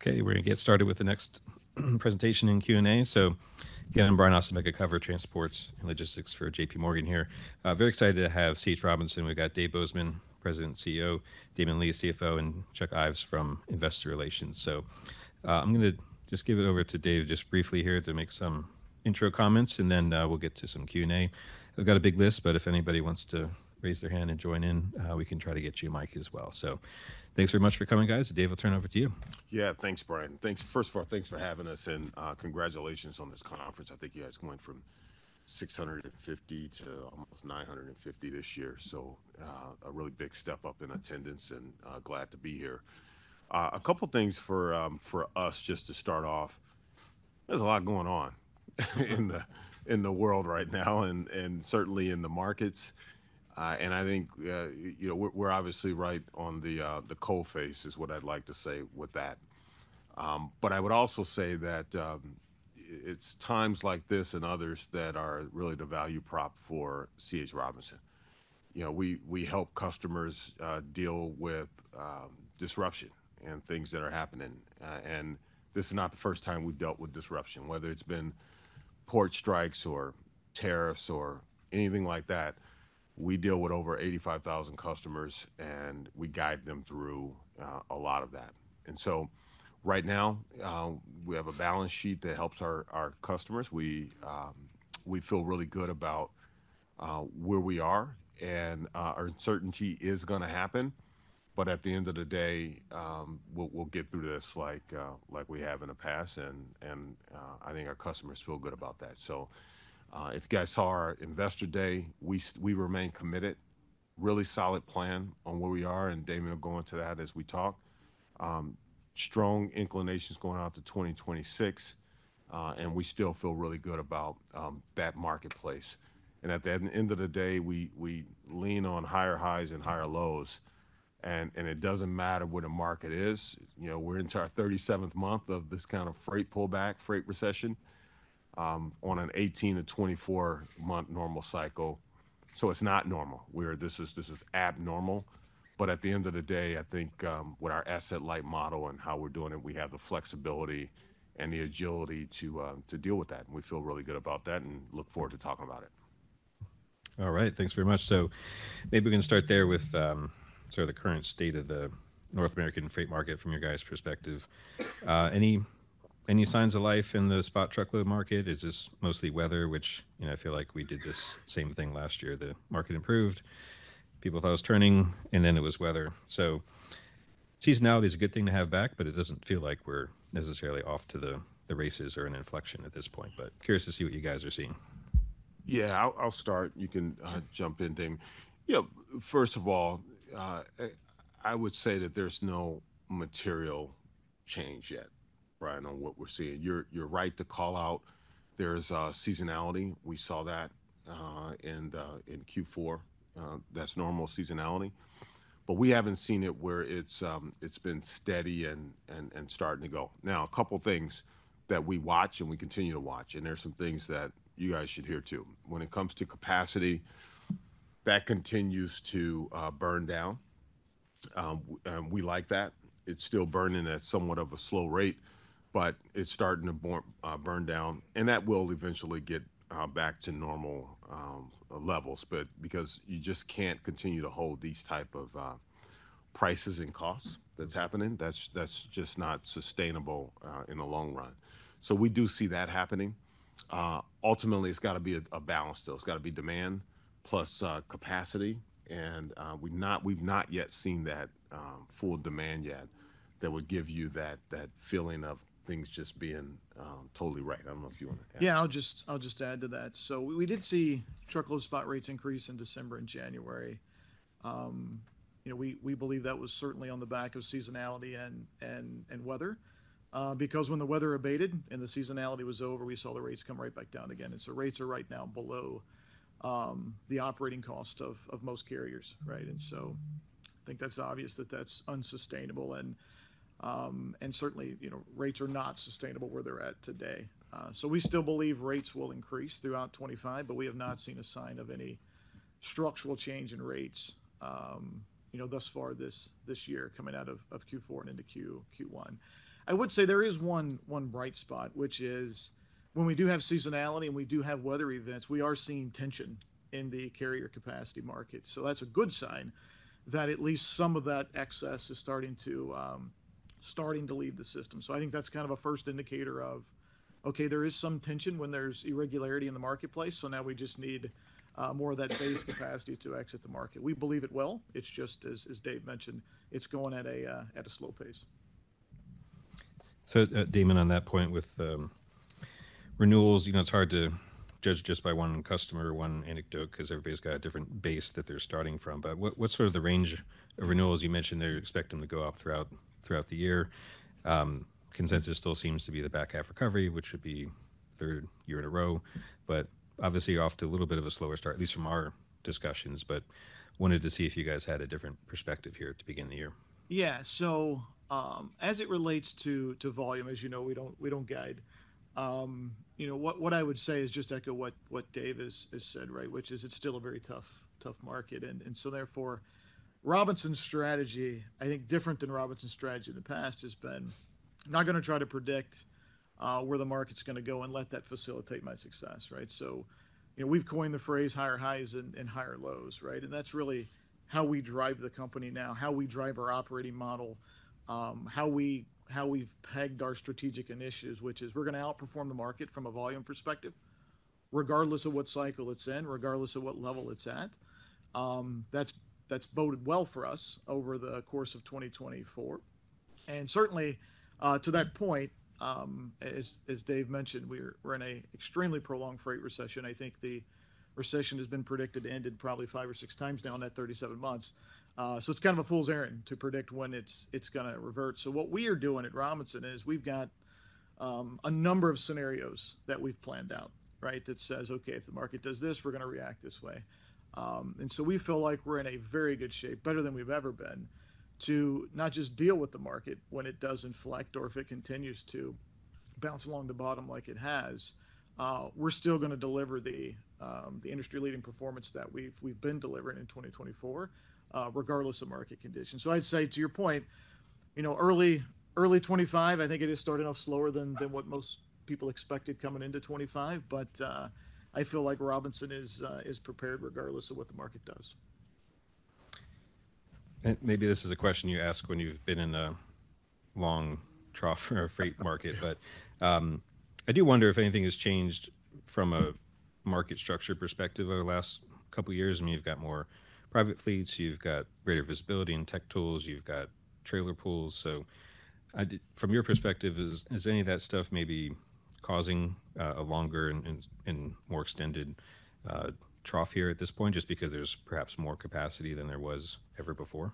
Okay. We're going to get started with the next presentation and Q&A. Again, I'm Brian Ossenbeck. I cover Transport and Logistics for JPMorgan here. Very excited to have C.H. Robinson. We've got Dave Bozeman, President and CEO; Damon Lee, CFO; and Chuck Ives from Investor Relations. I'm going to just give it over to Dave just briefly here to make some intro comments, and then we'll get to some Q&A. We've got a big list, but if anybody wants to raise their hand and join in, we can try to get you a mic as well. Thanks very much for coming, guys. Dave, I'll turn it over to you. Yeah. Thanks, Brian. First of all, thanks for having us. Congratulations on this conference. I think you guys went from 650 to almost 950 this year. A really big step up in attendance, and glad to be here. A couple of things for us just to start off. There's a lot going on in the world right now, and certainly in the markets. I think we're obviously right on the coal face, is what I'd like to say with that. I would also say that it's times like this and others that are really the value prop for C.H. Robinson. We help customers deal with disruption and things that are happening. This is not the first time we've dealt with disruption. Whether it's been port strikes or tariffs or anything like that, we deal with over 85,000 customers, and we guide them through a lot of that. Right now, we have a balance sheet that helps our customers. We feel really good about where we are. Uncertainty is going to happen. At the end of the day, we'll get through this like we have in the past. I think our customers feel good about that. If you guys saw our investor day, we remain committed, really solid plan on where we are. Damon will go into that as we talk. Strong inclinations going out to 2026. We still feel really good about that marketplace. At the end of the day, we lean on higher highs and higher lows. It doesn't matter what a market is. We're into our 37th month of this kind of freight pullback, freight recession on an 18 to 24-month normal cycle. It is not normal. This is abnormal. At the end of the day, I think with our asset-light model and how we're doing it, we have the flexibility and the agility to deal with that. We feel really good about that and look forward to talking about it. All right. Thanks very much. Maybe we can start there with sort of the current state of the North American freight market from your guys' perspective. Any signs of life in the spot truckload market? Is this mostly weather, which I feel like we did this same thing last year. The market improved. People thought it was turning, and then it was weather. Seasonality is a good thing to have back, but it does not feel like we are necessarily off to the races or an inflection at this point. Curious to see what you guys are seeing. Yeah. I'll start. You can jump in, Damon. Yeah. First of all, I would say that there's no material change yet, Brian, on what we're seeing. You're right to call out. There's seasonality. We saw that in Q4. That's normal seasonality. We haven't seen it where it's been steady and starting to go. Now, a couple of things that we watch and we continue to watch. There's some things that you guys should hear too. When it comes to capacity, that continues to burn down. We like that. It's still burning at somewhat of a slow rate, but it's starting to burn down. That will eventually get back to normal levels. Because you just can't continue to hold these types of prices and costs that's happening, that's just not sustainable in the long run. We do see that happening. Ultimately, it's got to be a balance still. It's got to be demand plus capacity. We've not yet seen that full demand yet that would give you that feeling of things just being totally right. I don't know if you want to add. Yeah. I'll just add to that. We did see truckload spot rates increase in December and January. We believe that was certainly on the back of seasonality and weather. When the weather abated and the seasonality was over, we saw the rates come right back down again. Rates are right now below the operating cost of most carriers, right? I think that's obvious that that's unsustainable. Rates are not sustainable where they're at today. We still believe rates will increase throughout 2025, but we have not seen a sign of any structural change in rates thus far this year coming out of Q4 and into Q1. I would say there is one bright spot, which is when we do have seasonality and we do have weather events, we are seeing tension in the carrier capacity market. That's a good sign that at least some of that excess is starting to lead the system. I think that's kind of a first indicator of, okay, there is some tension when there's irregularity in the marketplace. Now we just need more of that base capacity to exit the market. We believe it will. It's just, as Dave mentioned, it's going at a slow pace. Damon, on that point with renewals, it's hard to judge just by one customer or one anecdote because everybody's got a different base that they're starting from. What's sort of the range of renewals? You mentioned they're expecting to go up throughout the year. Consensus still seems to be the back half recovery, which would be third year in a row. Obviously, you're off to a little bit of a slower start, at least from our discussions. Wanted to see if you guys had a different perspective here to begin the year. Yeah. As it relates to volume, as you know, we do not guide. What I would say is just echo what Dave has said, right, which is it is still a very tough market. Therefore, Robinson's strategy, I think different than Robinson's strategy in the past, has been I am not going to try to predict where the market is going to go and let that facilitate my success, right? We have coined the phrase higher highs and higher lows, right? That is really how we drive the company now, how we drive our operating model, how we have pegged our strategic initiatives, which is we are going to outperform the market from a volume perspective, regardless of what cycle it is in, regardless of what level it is at. That has boded well for us over the course of 2024. Certainly, to that point, as Dave mentioned, we are in an extremely prolonged freight recession. I think the recession has been predicted to end probably five or six times now in that 37 months. It is kind of a fool's errand to predict when it is going to revert. What we are doing at Robinson is we have got a number of scenarios that we have planned out, right, that says, okay, if the market does this, we are going to react this way. We feel like we are in very good shape, better than we have ever been, to not just deal with the market when it does inflect or if it continues to bounce along the bottom like it has. We are still going to deliver the industry-leading performance that we have been delivering in 2024, regardless of market conditions. I would say to your point, early 2025, I think it is starting off slower than what most people expected coming into 2025. I feel like Robinson is prepared regardless of what the market does. Maybe this is a question you ask when you've been in a long trough or freight market. I do wonder if anything has changed from a market structure perspective over the last couple of years. I mean, you've got more private fleets. You've got greater visibility in tech tools. You've got trailer pools. From your perspective, is any of that stuff maybe causing a longer and more extended trough here at this point just because there's perhaps more capacity than there was ever before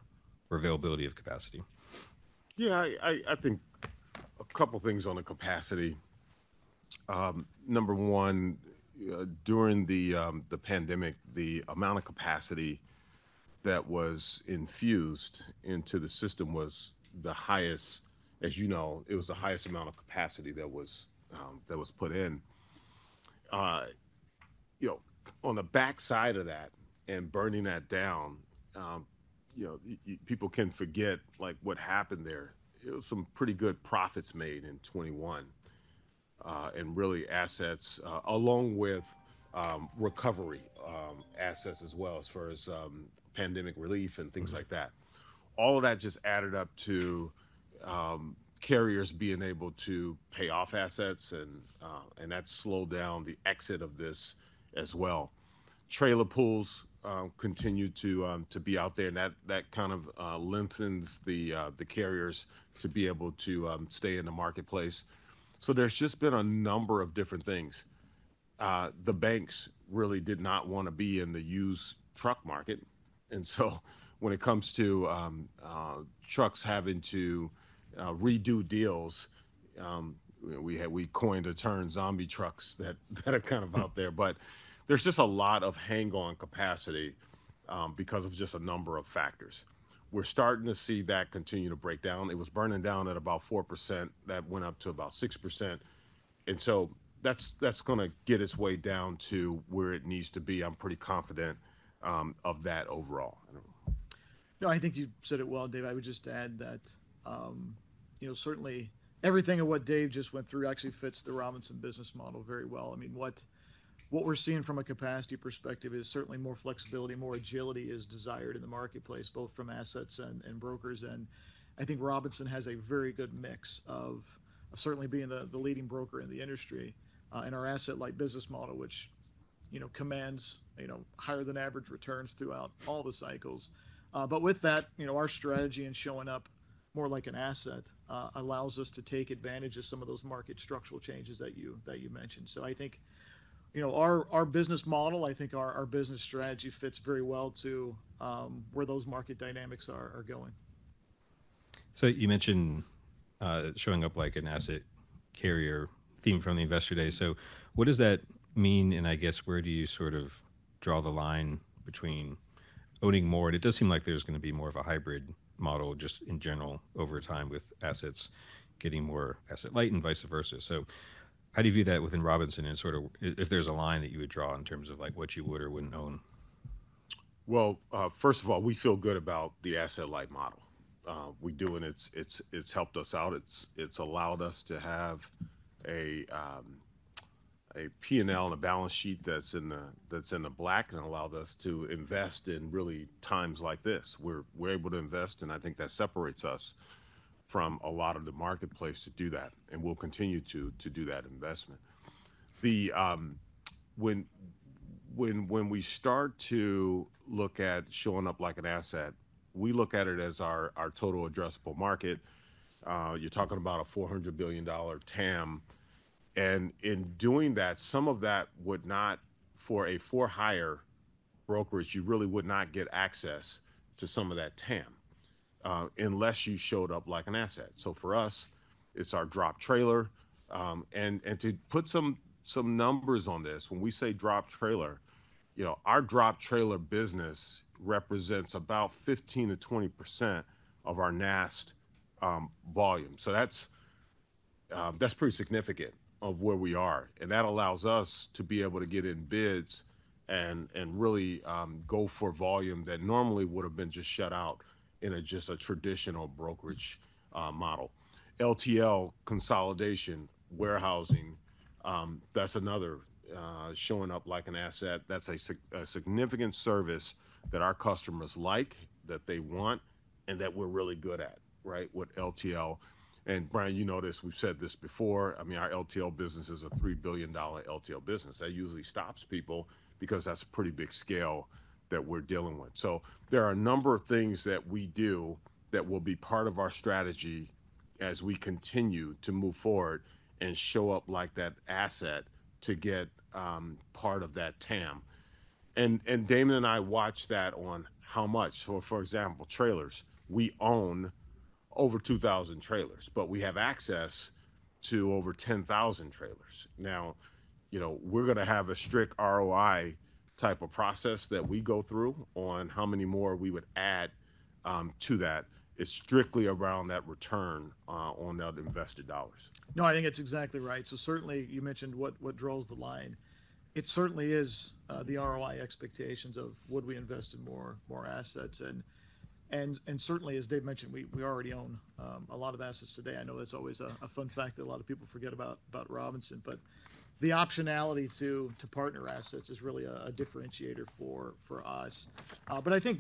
or availability of capacity? Yeah. I think a couple of things on the capacity. Number one, during the pandemic, the amount of capacity that was infused into the system was the highest, as you know, it was the highest amount of capacity that was put in. On the backside of that and burning that down, people can forget what happened there. There were some pretty good profits made in 2021 and really assets along with recovery assets as well as far as pandemic relief and things like that. All of that just added up to carriers being able to pay off assets. That slowed down the exit of this as well. Trailer pools continued to be out there. That kind of lengthens the carriers to be able to stay in the marketplace. There has just been a number of different things. The banks really did not want to be in the used truck market. When it comes to trucks having to redo deals, we coined the term zombie trucks that are kind of out there. There is just a lot of hang-on capacity because of a number of factors. We are starting to see that continue to break down. It was burning down at about 4%. That went up to about 6%. That is going to get its way down to where it needs to be. I am pretty confident of that overall. No, I think you said it well, Dave. I would just add that certainly everything of what Dave just went through actually fits the Robinson business model very well. I mean, what we're seeing from a capacity perspective is certainly more flexibility, more agility is desired in the marketplace, both from assets and brokers. I think Robinson has a very good mix of certainly being the leading broker in the industry and our asset-light business model, which commands higher than average returns throughout all the cycles. With that, our strategy in showing up more like an asset allows us to take advantage of some of those market structural changes that you mentioned. I think our business model, I think our business strategy fits very well to where those market dynamics are going. You mentioned showing up like an asset carrier theme from the investor day. What does that mean? I guess where do you sort of draw the line between owning more? It does seem like there is going to be more of a hybrid model just in general over time with assets getting more asset-light and vice versa. How do you view that within Robinson? Is there a line that you would draw in terms of what you would or would not own? First of all, we feel good about the asset-light model. We do, and it's helped us out. It's allowed us to have a P&L and a balance sheet that's in the black and allowed us to invest in really times like this. We're able to invest. I think that separates us from a lot of the marketplace to do that. We'll continue to do that investment. When we start to look at showing up like an asset, we look at it as our total addressable market. You're talking about a $400 billion TAM. In doing that, some of that would not, for a for-hire brokerage, you really would not get access to some of that TAM unless you showed up like an asset. For us, it's our drop trailer. To put some numbers on this, when we say drop trailer, our drop trailer business represents about 15%-20% of our NAST volume. That is pretty significant of where we are. That allows us to be able to get in bids and really go for volume that normally would have been just shut out in just a traditional brokerage model. LTL consolidation, warehousing, that is another showing up like an asset. That is a significant service that our customers like, that they want, and that we are really good at, right, with LTL. Brian, you noticed we have said this before. I mean, our LTL business is a $3 billion LTL business. That usually stops people because that is a pretty big scale that we are dealing with. There are a number of things that we do that will be part of our strategy as we continue to move forward and show up like that asset to get part of that TAM. Damon and I watch that on how much. For example, trailers, we own over 2,000 trailers, but we have access to over 10,000 trailers. Now, we're going to have a strict ROI type of process that we go through on how many more we would add to that. It's strictly around that return on that invested dollars. No, I think it's exactly right. You mentioned what draws the line. It certainly is the ROI expectations of would we invest in more assets. As Dave mentioned, we already own a lot of assets today. I know that's always a fun fact that a lot of people forget about Robinson. The optionality to partner assets is really a differentiator for us.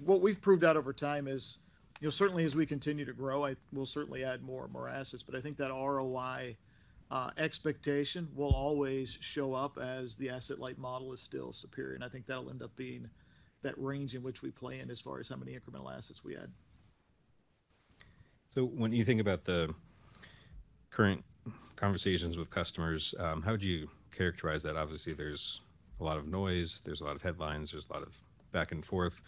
What we've proved out over time is as we continue to grow, we'll add more and more assets. I think that ROI expectation will always show up as the asset-light model is still superior. I think that'll end up being that range in which we play in as far as how many incremental assets we add. When you think about the current conversations with customers, how would you characterize that? Obviously, there's a lot of noise. There's a lot of headlines. There's a lot of back and forth.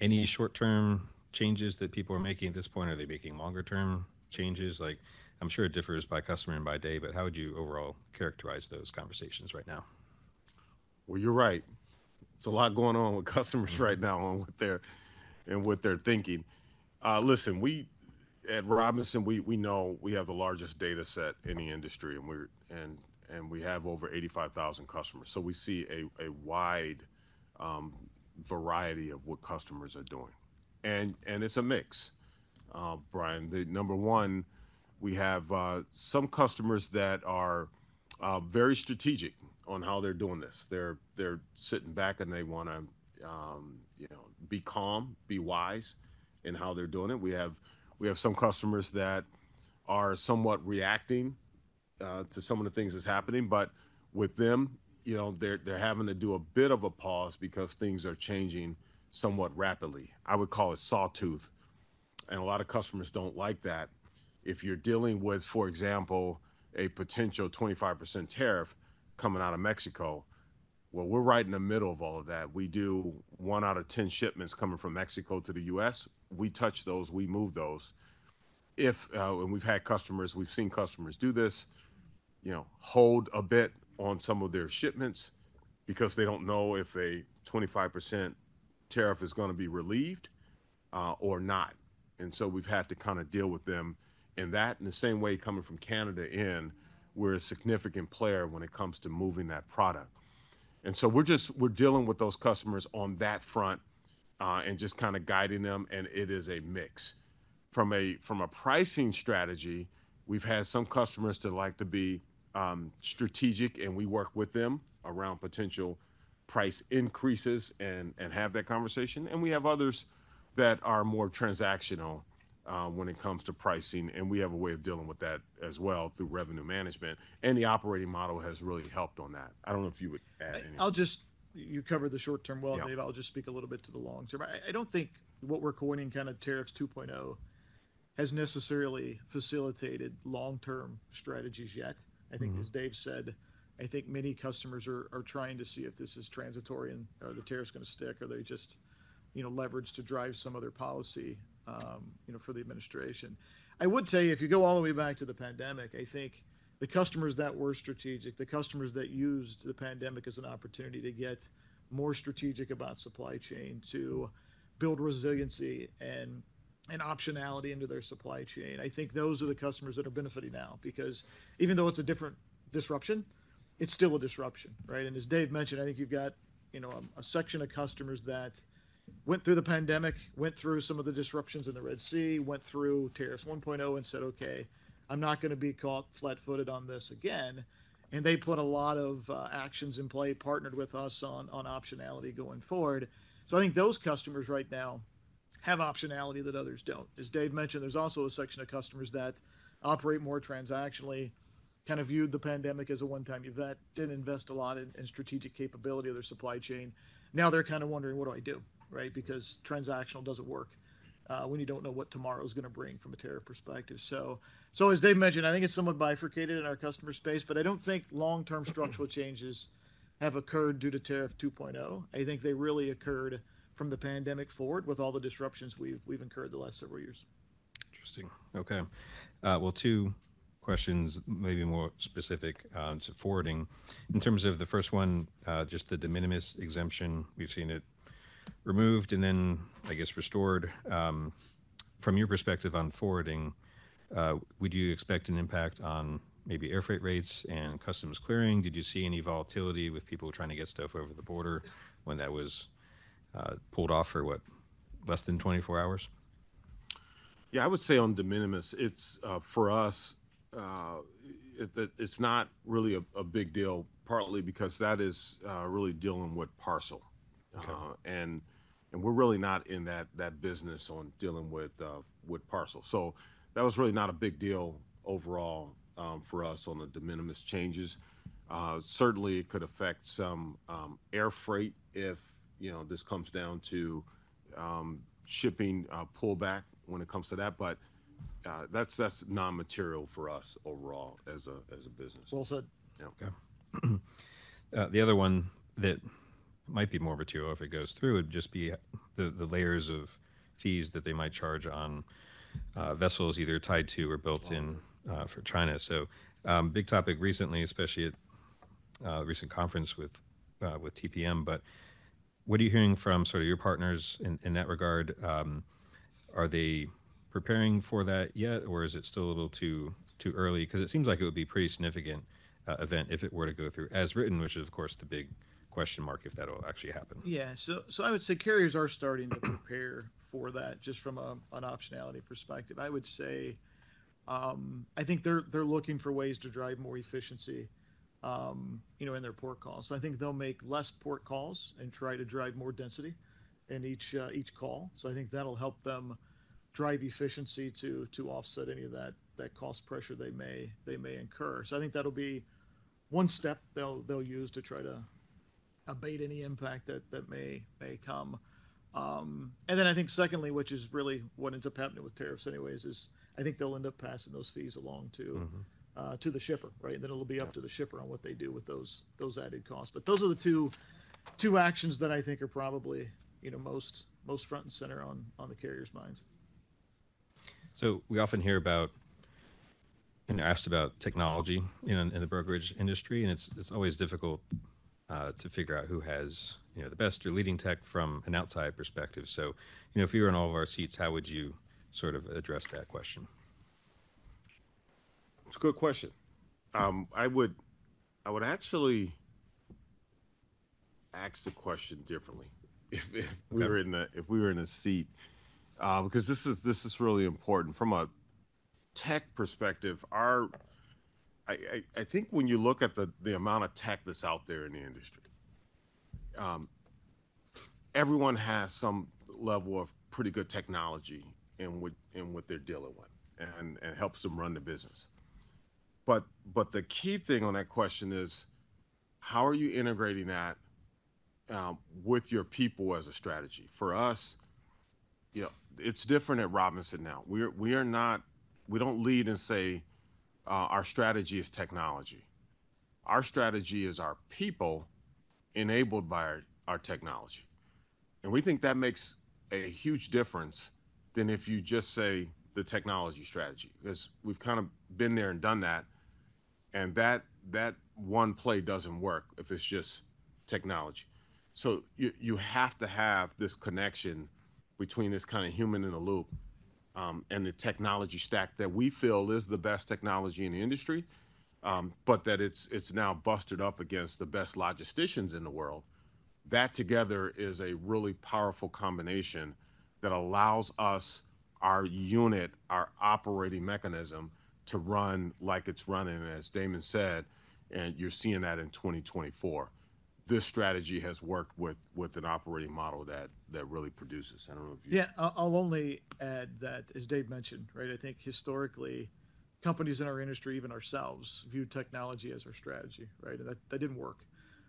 Any short-term changes that people are making at this point? Are they making longer-term changes? I'm sure it differs by customer and by day, but how would you overall characterize those conversations right now? You're right. It's a lot going on with customers right now on what they're thinking. Listen, at Robinson, we know we have the largest data set in the industry, and we have over 85,000 customers. We see a wide variety of what customers are doing. It's a mix, Brian. Number one, we have some customers that are very strategic on how they're doing this. They're sitting back, and they want to be calm, be wise in how they're doing it. We have some customers that are somewhat reacting to some of the things that's happening. With them, they're having to do a bit of a pause because things are changing somewhat rapidly. I would call it sawtooth. A lot of customers do not like that. If you're dealing with, for example, a potential 25% tariff coming out of Mexico, we're right in the middle of all of that. We do one out of 10 shipments coming from Mexico to the U.S. We touch those. We move those. We've had customers, we've seen customers do this, hold a bit on some of their shipments because they don't know if a 25% tariff is going to be relieved or not. We've had to kind of deal with them in that. In the same way coming from Canada in, we're a significant player when it comes to moving that product. We're dealing with those customers on that front and just kind of guiding them. It is a mix. From a pricing strategy, we've had some customers that like to be strategic, and we work with them around potential price increases and have that conversation. We have others that are more transactional when it comes to pricing. We have a way of dealing with that as well through revenue management. The operating model has really helped on that. I don't know if you would add anything. You covered the short-term well, Dave. I'll just speak a little bit to the long-term. I don't think what we're coining kind of tariffs 2.0 has necessarily facilitated long-term strategies yet. I think, as Dave said, I think many customers are trying to see if this is transitory and the tariff's going to stick or they just leverage to drive some other policy for the administration. I would tell you, if you go all the way back to the pandemic, I think the customers that were strategic, the customers that used the pandemic as an opportunity to get more strategic about supply chain to build resiliency and optionality into their supply chain, I think those are the customers that are benefiting now. Because even though it's a different disruption, it's still a disruption, right? As Dave mentioned, I think you've got a section of customers that went through the pandemic, went through some of the disruptions in the Red Sea, went through tariffs 1.0 and said, "Okay, I'm not going to be caught flat-footed on this again." They put a lot of actions in play, partnered with us on optionality going forward. I think those customers right now have optionality that others do not. As Dave mentioned, there's also a section of customers that operate more transactionally, kind of viewed the pandemic as a one-time event, did not invest a lot in strategic capability of their supply chain. Now they're kind of wondering, "What do I do?" Right? Because transactional does not work when you do not know what tomorrow is going to bring from a tariff perspective. As Dave mentioned, I think it's somewhat bifurcated in our customer space. I don't think long-term structural changes have occurred due to tariff 2.0. I think they really occurred from the pandemic forward with all the disruptions we've incurred the last several years. Interesting. Okay. Two questions, maybe more specific on forwarding. In terms of the first one, just the de minimis exemption, we've seen it removed and then, I guess, restored. From your perspective on forwarding, would you expect an impact on maybe air freight rates and customs clearing? Did you see any volatility with people trying to get stuff over the border when that was pulled off for what, less than 24 hours? Yeah, I would say on de minimis, for us, it's not really a big deal, partly because that is really dealing with parcel. And we're really not in that business on dealing with parcel. That was really not a big deal overall for us on the de minimis changes. Certainly, it could affect some air freight if this comes down to shipping pullback when it comes to that. That is non-material for us overall as a business. Well said. Okay. The other one that might be more material if it goes through would just be the layers of fees that they might charge on vessels either tied to or built in for China. Big topic recently, especially at a recent conference with TPM. What are you hearing from sort of your partners in that regard? Are they preparing for that yet, or is it still a little too early? It seems like it would be a pretty significant event if it were to go through as written, which is, of course, the big question mark if that will actually happen. Yeah. I would say carriers are starting to prepare for that just from an optionality perspective. I would say I think they're looking for ways to drive more efficiency in their port calls. I think they'll make fewer port calls and try to drive more density in each call. I think that'll help them drive efficiency to offset any of that cost pressure they may incur. I think that'll be one step they'll use to try to abate any impact that may come. I think secondly, which is really what ends up happening with tariffs anyways, is I think they'll end up passing those fees along to the shipper, right? It will be up to the shipper on what they do with those added costs. Those are the two actions that I think are probably most front and center on the carrier's minds. We often hear about and are asked about technology in the brokerage industry. It is always difficult to figure out who has the best or leading tech from an outside perspective. If you were in all of our seats, how would you sort of address that question? It's a good question. I would actually ask the question differently if we were in a seat. Because this is really important. From a tech perspective, I think when you look at the amount of tech that's out there in the industry, everyone has some level of pretty good technology in what they're dealing with and helps them run the business. The key thing on that question is, how are you integrating that with your people as a strategy? For us, it's different at Robinson now. We don't lead and say our strategy is technology. Our strategy is our people enabled by our technology. We think that makes a huge difference than if you just say the technology strategy. We've kind of been there and done that. That one play doesn't work if it's just technology. You have to have this connection between this kind of human in the loop and the technology stack that we feel is the best technology in the industry, but that it's now busted up against the best logisticians in the world. That together is a really powerful combination that allows us, our unit, our operating mechanism to run like it's running, as Damon said. You're seeing that in 2024. This strategy has worked with an operating model that really produces. I don't know if you. Yeah. I'll only add that, as Dave mentioned, right? I think historically, companies in our industry, even ourselves, viewed technology as our strategy, right? That did not work,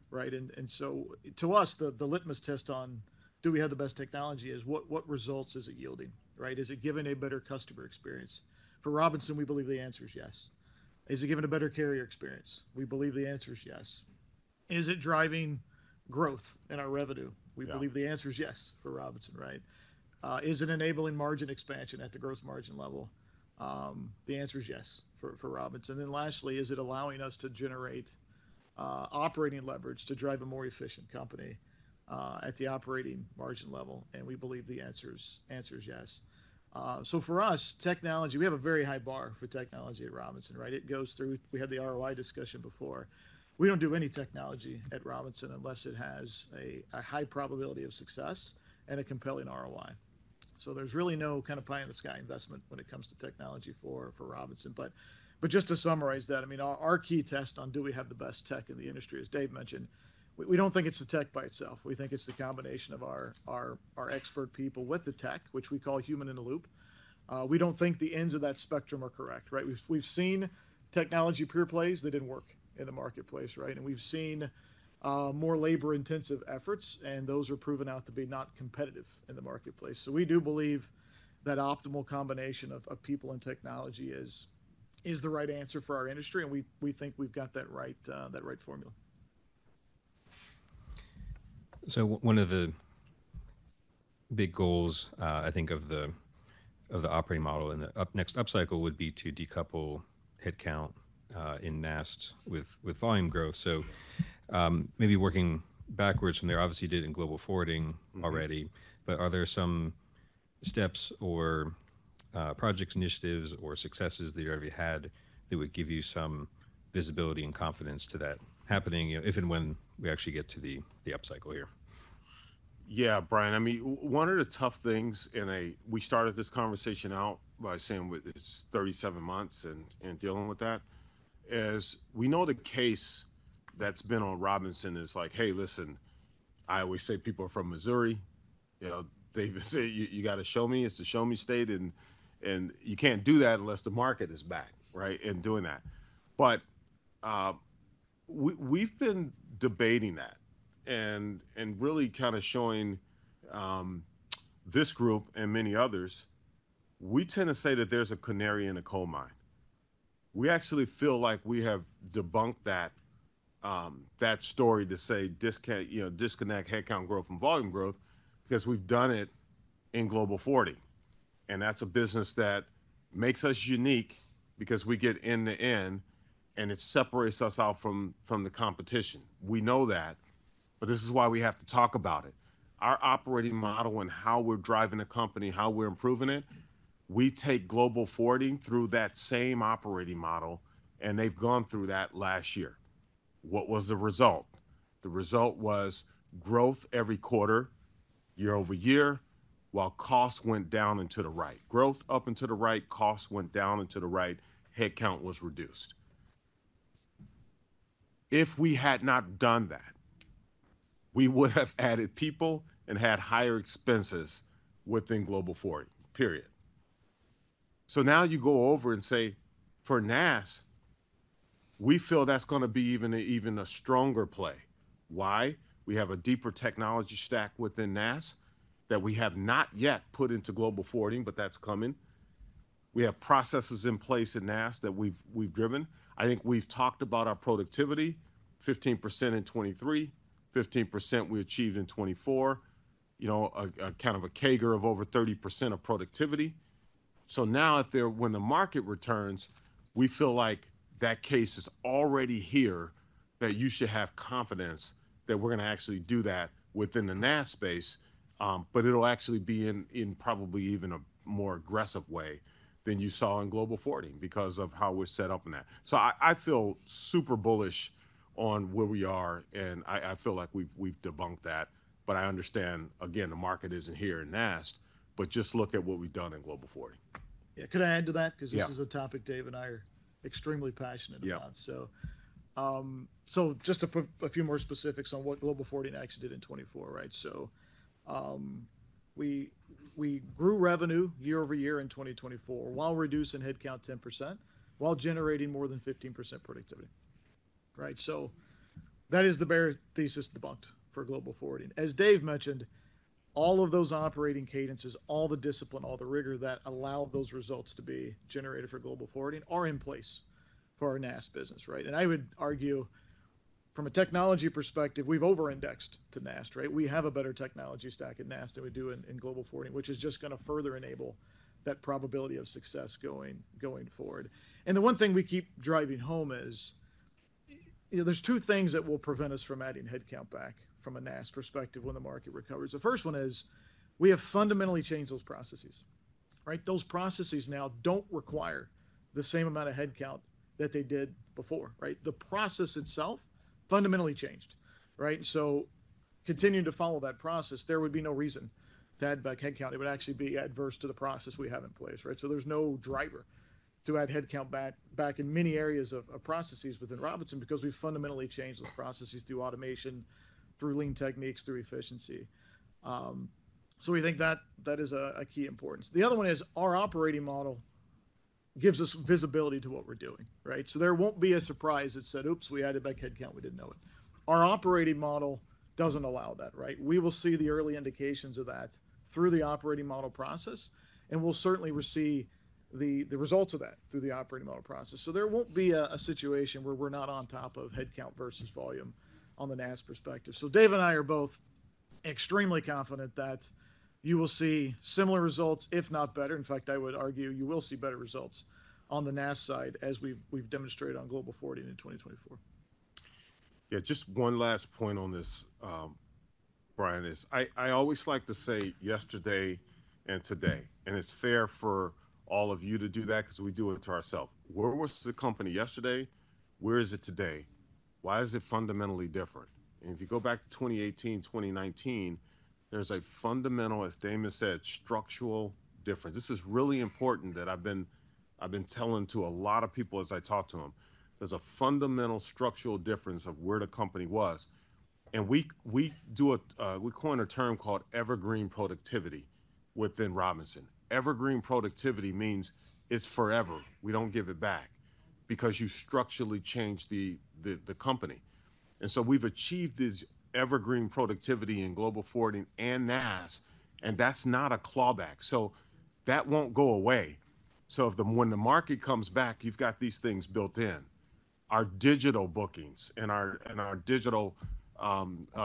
right? To us, the litmus test on do we have the best technology is what results is it yielding, right? Is it giving a better customer experience? For Robinson, we believe the answer is yes. Is it giving a better carrier experience? We believe the answer is yes. Is it driving growth in our revenue? We believe the answer is yes for Robinson, right? Is it enabling margin expansion at the gross margin level? The answer is yes for Robinson. Lastly, is it allowing us to generate operating leverage to drive a more efficient company at the operating margin level? We believe the answer is yes. For us, technology, we have a very high bar for technology at Robinson, right? It goes through. We had the ROI discussion before. We do not do any technology at Robinson unless it has a high probability of success and a compelling ROI. There is really no kind of pie-in-the-sky investment when it comes to technology for Robinson. Just to summarize that, I mean, our key test on do we have the best tech in the industry, as Dave mentioned, we do not think it is the tech by itself. We think it is the combination of our expert people with the tech, which we call human in the loop. We do not think the ends of that spectrum are correct, right? We have seen technology pure plays that did not work in the marketplace, right? We have seen more labor-intensive efforts, and those are proven out to be not competitive in the marketplace. We do believe that optimal combination of people and technology is the right answer for our industry. We think we've got that right formula. One of the big goals, I think, of the operating model in the next upcycle would be to decouple headcount in NAST with volume growth. Maybe working backwards from there, obviously you did in Global Forwarding already. Are there some steps or project initiatives or successes that you've already had that would give you some visibility and confidence to that happening if and when we actually get to the upcycle here? Yeah, Brian. I mean, one of the tough things, and we started this conversation out by saying it's 37 months and dealing with that, is we know the case that's been on Robinson is like, "Hey, listen, I always say people are from Missouri." Dave would say, "You got to show me. It's a show me state. And you can't do that unless the market is back," right, in doing that. We have been debating that and really kind of showing this group and many others, we tend to say that there's a canary in a coal mine. We actually feel like we have debunked that story to say disconnect headcount growth and volume growth because we have done it in Global Forwarding. And that's a business that makes us unique because we get end-to-end, and it separates us out from the competition. We know that. This is why we have to talk about it. Our operating model and how we're driving a company, how we're improving it, we take Global Forwarding through that same operating model. They've gone through that last year. What was the result? The result was growth every quarter, year-over-year, while costs went down into the right. Growth up into the right, costs went down into the right, headcount was reduced. If we had not done that, we would have added people and had higher expenses within Global Forwarding, period. Now you go over and say, "For NAST, we feel that's going to be even a stronger play." Why? We have a deeper technology stack within NAST that we have not yet put into Global Forwarding, but that's coming. We have processes in place in NAST that we've driven. I think we've talked about our productivity, 15% in 2023, 15% we achieved in 2024, kind of a CAGR of over 30% of productivity. Now when the market returns, we feel like that case is already here that you should have confidence that we're going to actually do that within the NAST space. It'll actually be in probably even a more aggressive way than you saw in Global Forwarding because of how we're set up in that. I feel super bullish on where we are. I feel like we've debunked that. I understand, again, the market isn't here in NAST, just look at what we've done in Global Forwarding. Yeah. Could I add to that? Because this is a topic Dave and I are extremely passionate about. Just a few more specifics on what Global Forwarding actually did in 2024, right? We grew revenue year-over-year in 2024 while reducing headcount 10%, while generating more than 15% productivity, right? That is the bare thesis debunked for Global Forwarding. As Dave mentioned, all of those operating cadences, all the discipline, all the rigor that allow those results to be generated for Global Forwarding are in place for our NAST business, right? I would argue, from a technology perspective, we've over-indexed to NAST, right? We have a better technology stack in NAST than we do in Global Forwarding, which is just going to further enable that probability of success going forward. The one thing we keep driving home is there are two things that will prevent us from adding headcount back from a NAST perspective when the market recovers. The first one is we have fundamentally changed those processes, right? Those processes now do not require the same amount of headcount that they did before, right? The process itself fundamentally changed, right? Continuing to follow that process, there would be no reason to add back headcount. It would actually be adverse to the process we have in place, right? There is no driver to add headcount back in many areas of processes within Robinson because we have fundamentally changed those processes through automation, through lean techniques, through efficiency. We think that is of key importance. The other one is our operating model gives us visibility to what we are doing, right? There will not be a surprise that said, "Oops, we added back headcount. We did not know it." Our operating model does not allow that, right? We will see the early indications of that through the operating model process. We will certainly receive the results of that through the operating model process. There will not be a situation where we are not on top of headcount versus volume on the NAST perspective. Dave and I are both extremely confident that you will see similar results, if not better. In fact, I would argue you will see better results on the NAST side as we have demonstrated on Global Forwarding in 2024. Yeah. Just one last point on this, Brian, is I always like to say yesterday and today. It is fair for all of you to do that because we do it to ourselves. Where was the company yesterday? Where is it today? Why is it fundamentally different? If you go back to 2018, 2019, there is a fundamental, as Damon said, structural difference. This is really important that I have been telling to a lot of people as I talk to them. There is a fundamental structural difference of where the company was. We call it a term called evergreen productivity within Robinson. Evergreen productivity means it is forever. We do not give it back because you structurally change the company. We have achieved this evergreen productivity in Global Forwarding and NAST, and that is not a clawback. That will not go away. When the market comes back, you've got these things built in. Our digital bookings and our digital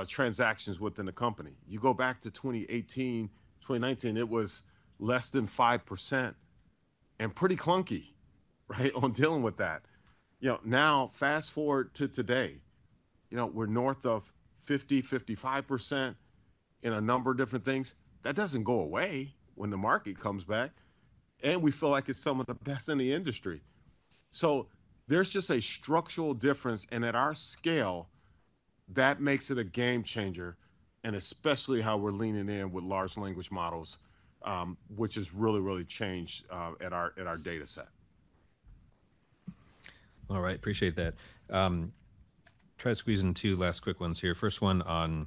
transactions within the company. You go back to 2018, 2019, it was less than 5% and pretty clunky, right, on dealing with that. Now, fast forward to today, we're north of 50-55% in a number of different things. That doesn't go away when the market comes back. We feel like it's some of the best in the industry. There's just a structural difference. At our scale, that makes it a game changer, especially how we're leaning in with large language models, which has really, really changed at our data set. All right. Appreciate that. Try to squeeze in two last quick ones here. First one on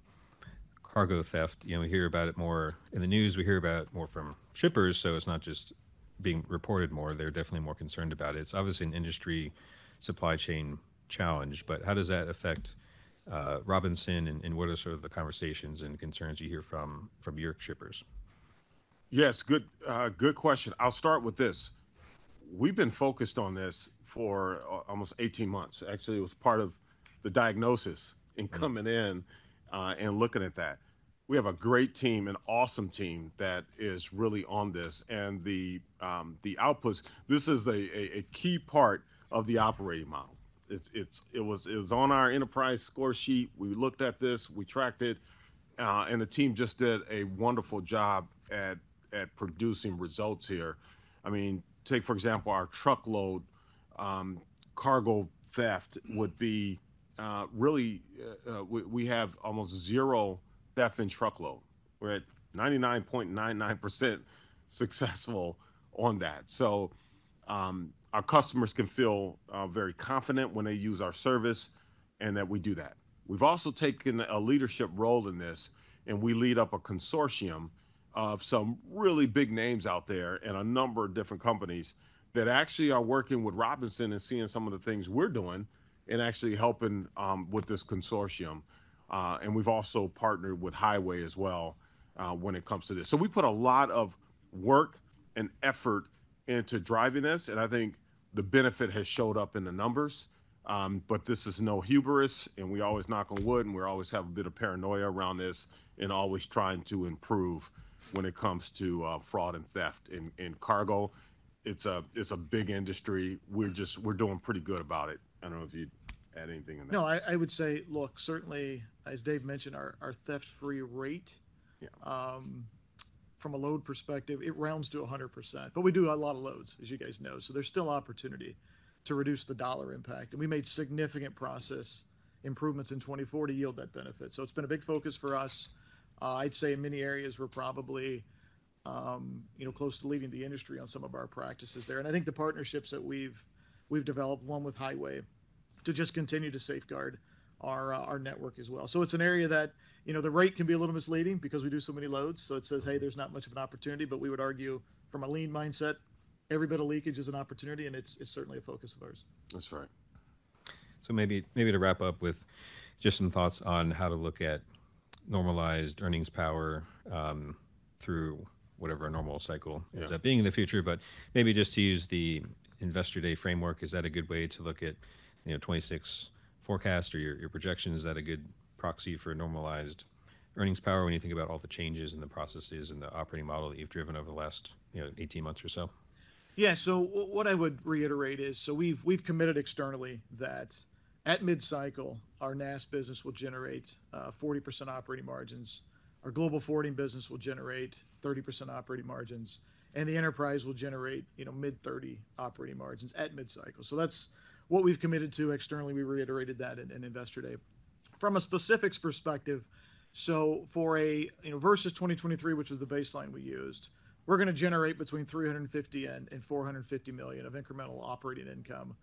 cargo theft. We hear about it more in the news. We hear about it more from shippers. It is not just being reported more. They are definitely more concerned about it. It is obviously an industry supply chain challenge. How does that affect Robinson? What are sort of the conversations and concerns you hear from your shippers? Yes. Good question. I'll start with this. We've been focused on this for almost 18 months. Actually, it was part of the diagnosis in coming in and looking at that. We have a great team, an awesome team that is really on this. The outputs, this is a key part of the operating model. It was on our enterprise score sheet. We looked at this. We tracked it. The team just did a wonderful job at producing results here. I mean, take for example, our truckload cargo theft would be really we have almost zero theft in truckload. We're at 99.99% successful on that. Our customers can feel very confident when they use our service and that we do that. We've also taken a leadership role in this. We lead up a consortium of some really big names out there and a number of different companies that actually are working with Robinson and seeing some of the things we're doing and actually helping with this consortium. We have also partnered with Highway as well when it comes to this. We put a lot of work and effort into driving this. I think the benefit has showed up in the numbers. This is no hubris. We always knock on wood. We always have a bit of paranoia around this and always trying to improve when it comes to fraud and theft in cargo. It's a big industry. We're doing pretty good about it. I don't know if you'd add anything on that. No, I would say, look, certainly, as Dave mentioned, our theft-free rate from a load perspective, it rounds to 100%. But we do a lot of loads, as you guys know. There is still opportunity to reduce the dollar impact. We made significant process improvements in 2024 to yield that benefit. It has been a big focus for us. I would say in many areas, we are probably close to leading the industry on some of our practices there. I think the partnerships that we have developed, one with Highway, just continue to safeguard our network as well. It is an area that the rate can be a little misleading because we do so many loads. It says, "Hey, there is not much of an opportunity." We would argue from a lean mindset, every bit of leakage is an opportunity. It is certainly a focus of ours. That's right. Maybe to wrap up with just some thoughts on how to look at normalized earnings power through whatever normal cycle ends up being in the future. Maybe just to use the investor day framework, is that a good way to look at 2026 forecast or your projections? Is that a good proxy for normalized earnings power when you think about all the changes in the processes and the operating model that you've driven over the last 18 months or so? Yeah. What I would reiterate is we have committed externally that at mid-cycle, our NAST business will generate 40% operating margins. Our Global Forwarding business will generate 30% operating margins. The enterprise will generate mid-30% operating margins at mid-cycle. That is what we have committed to externally. We reiterated that in investor day. From a specifics perspective, for versus 2023, which was the baseline we used, we are going to generate between $350 million and $450 million of incremental operating income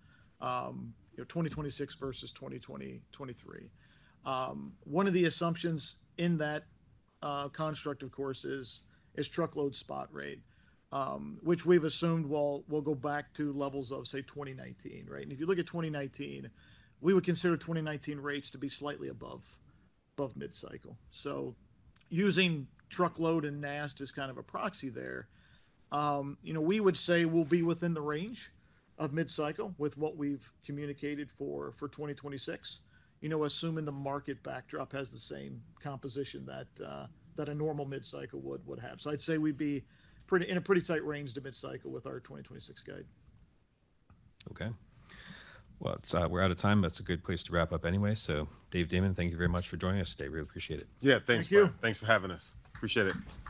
in 2026 versus 2023. One of the assumptions in that construct, of course, is truckload spot rate, which we have assumed will go back to levels of, say, 2019, right? If you look at 2019, we would consider 2019 rates to be slightly above mid-cycle. Using truckload and NAST as kind of a proxy there, we would say we'll be within the range of mid-cycle with what we've communicated for 2026, assuming the market backdrop has the same composition that a normal mid-cycle would have. I'd say we'd be in a pretty tight range to mid-cycle with our 2026 guide. Okay. We're out of time. That's a good place to wrap up anyway. Dave, Damon, thank you very much for joining us today. We really appreciate it. Yeah. Thanks, Brian. Thank you. Thanks for having us. Appreciate it.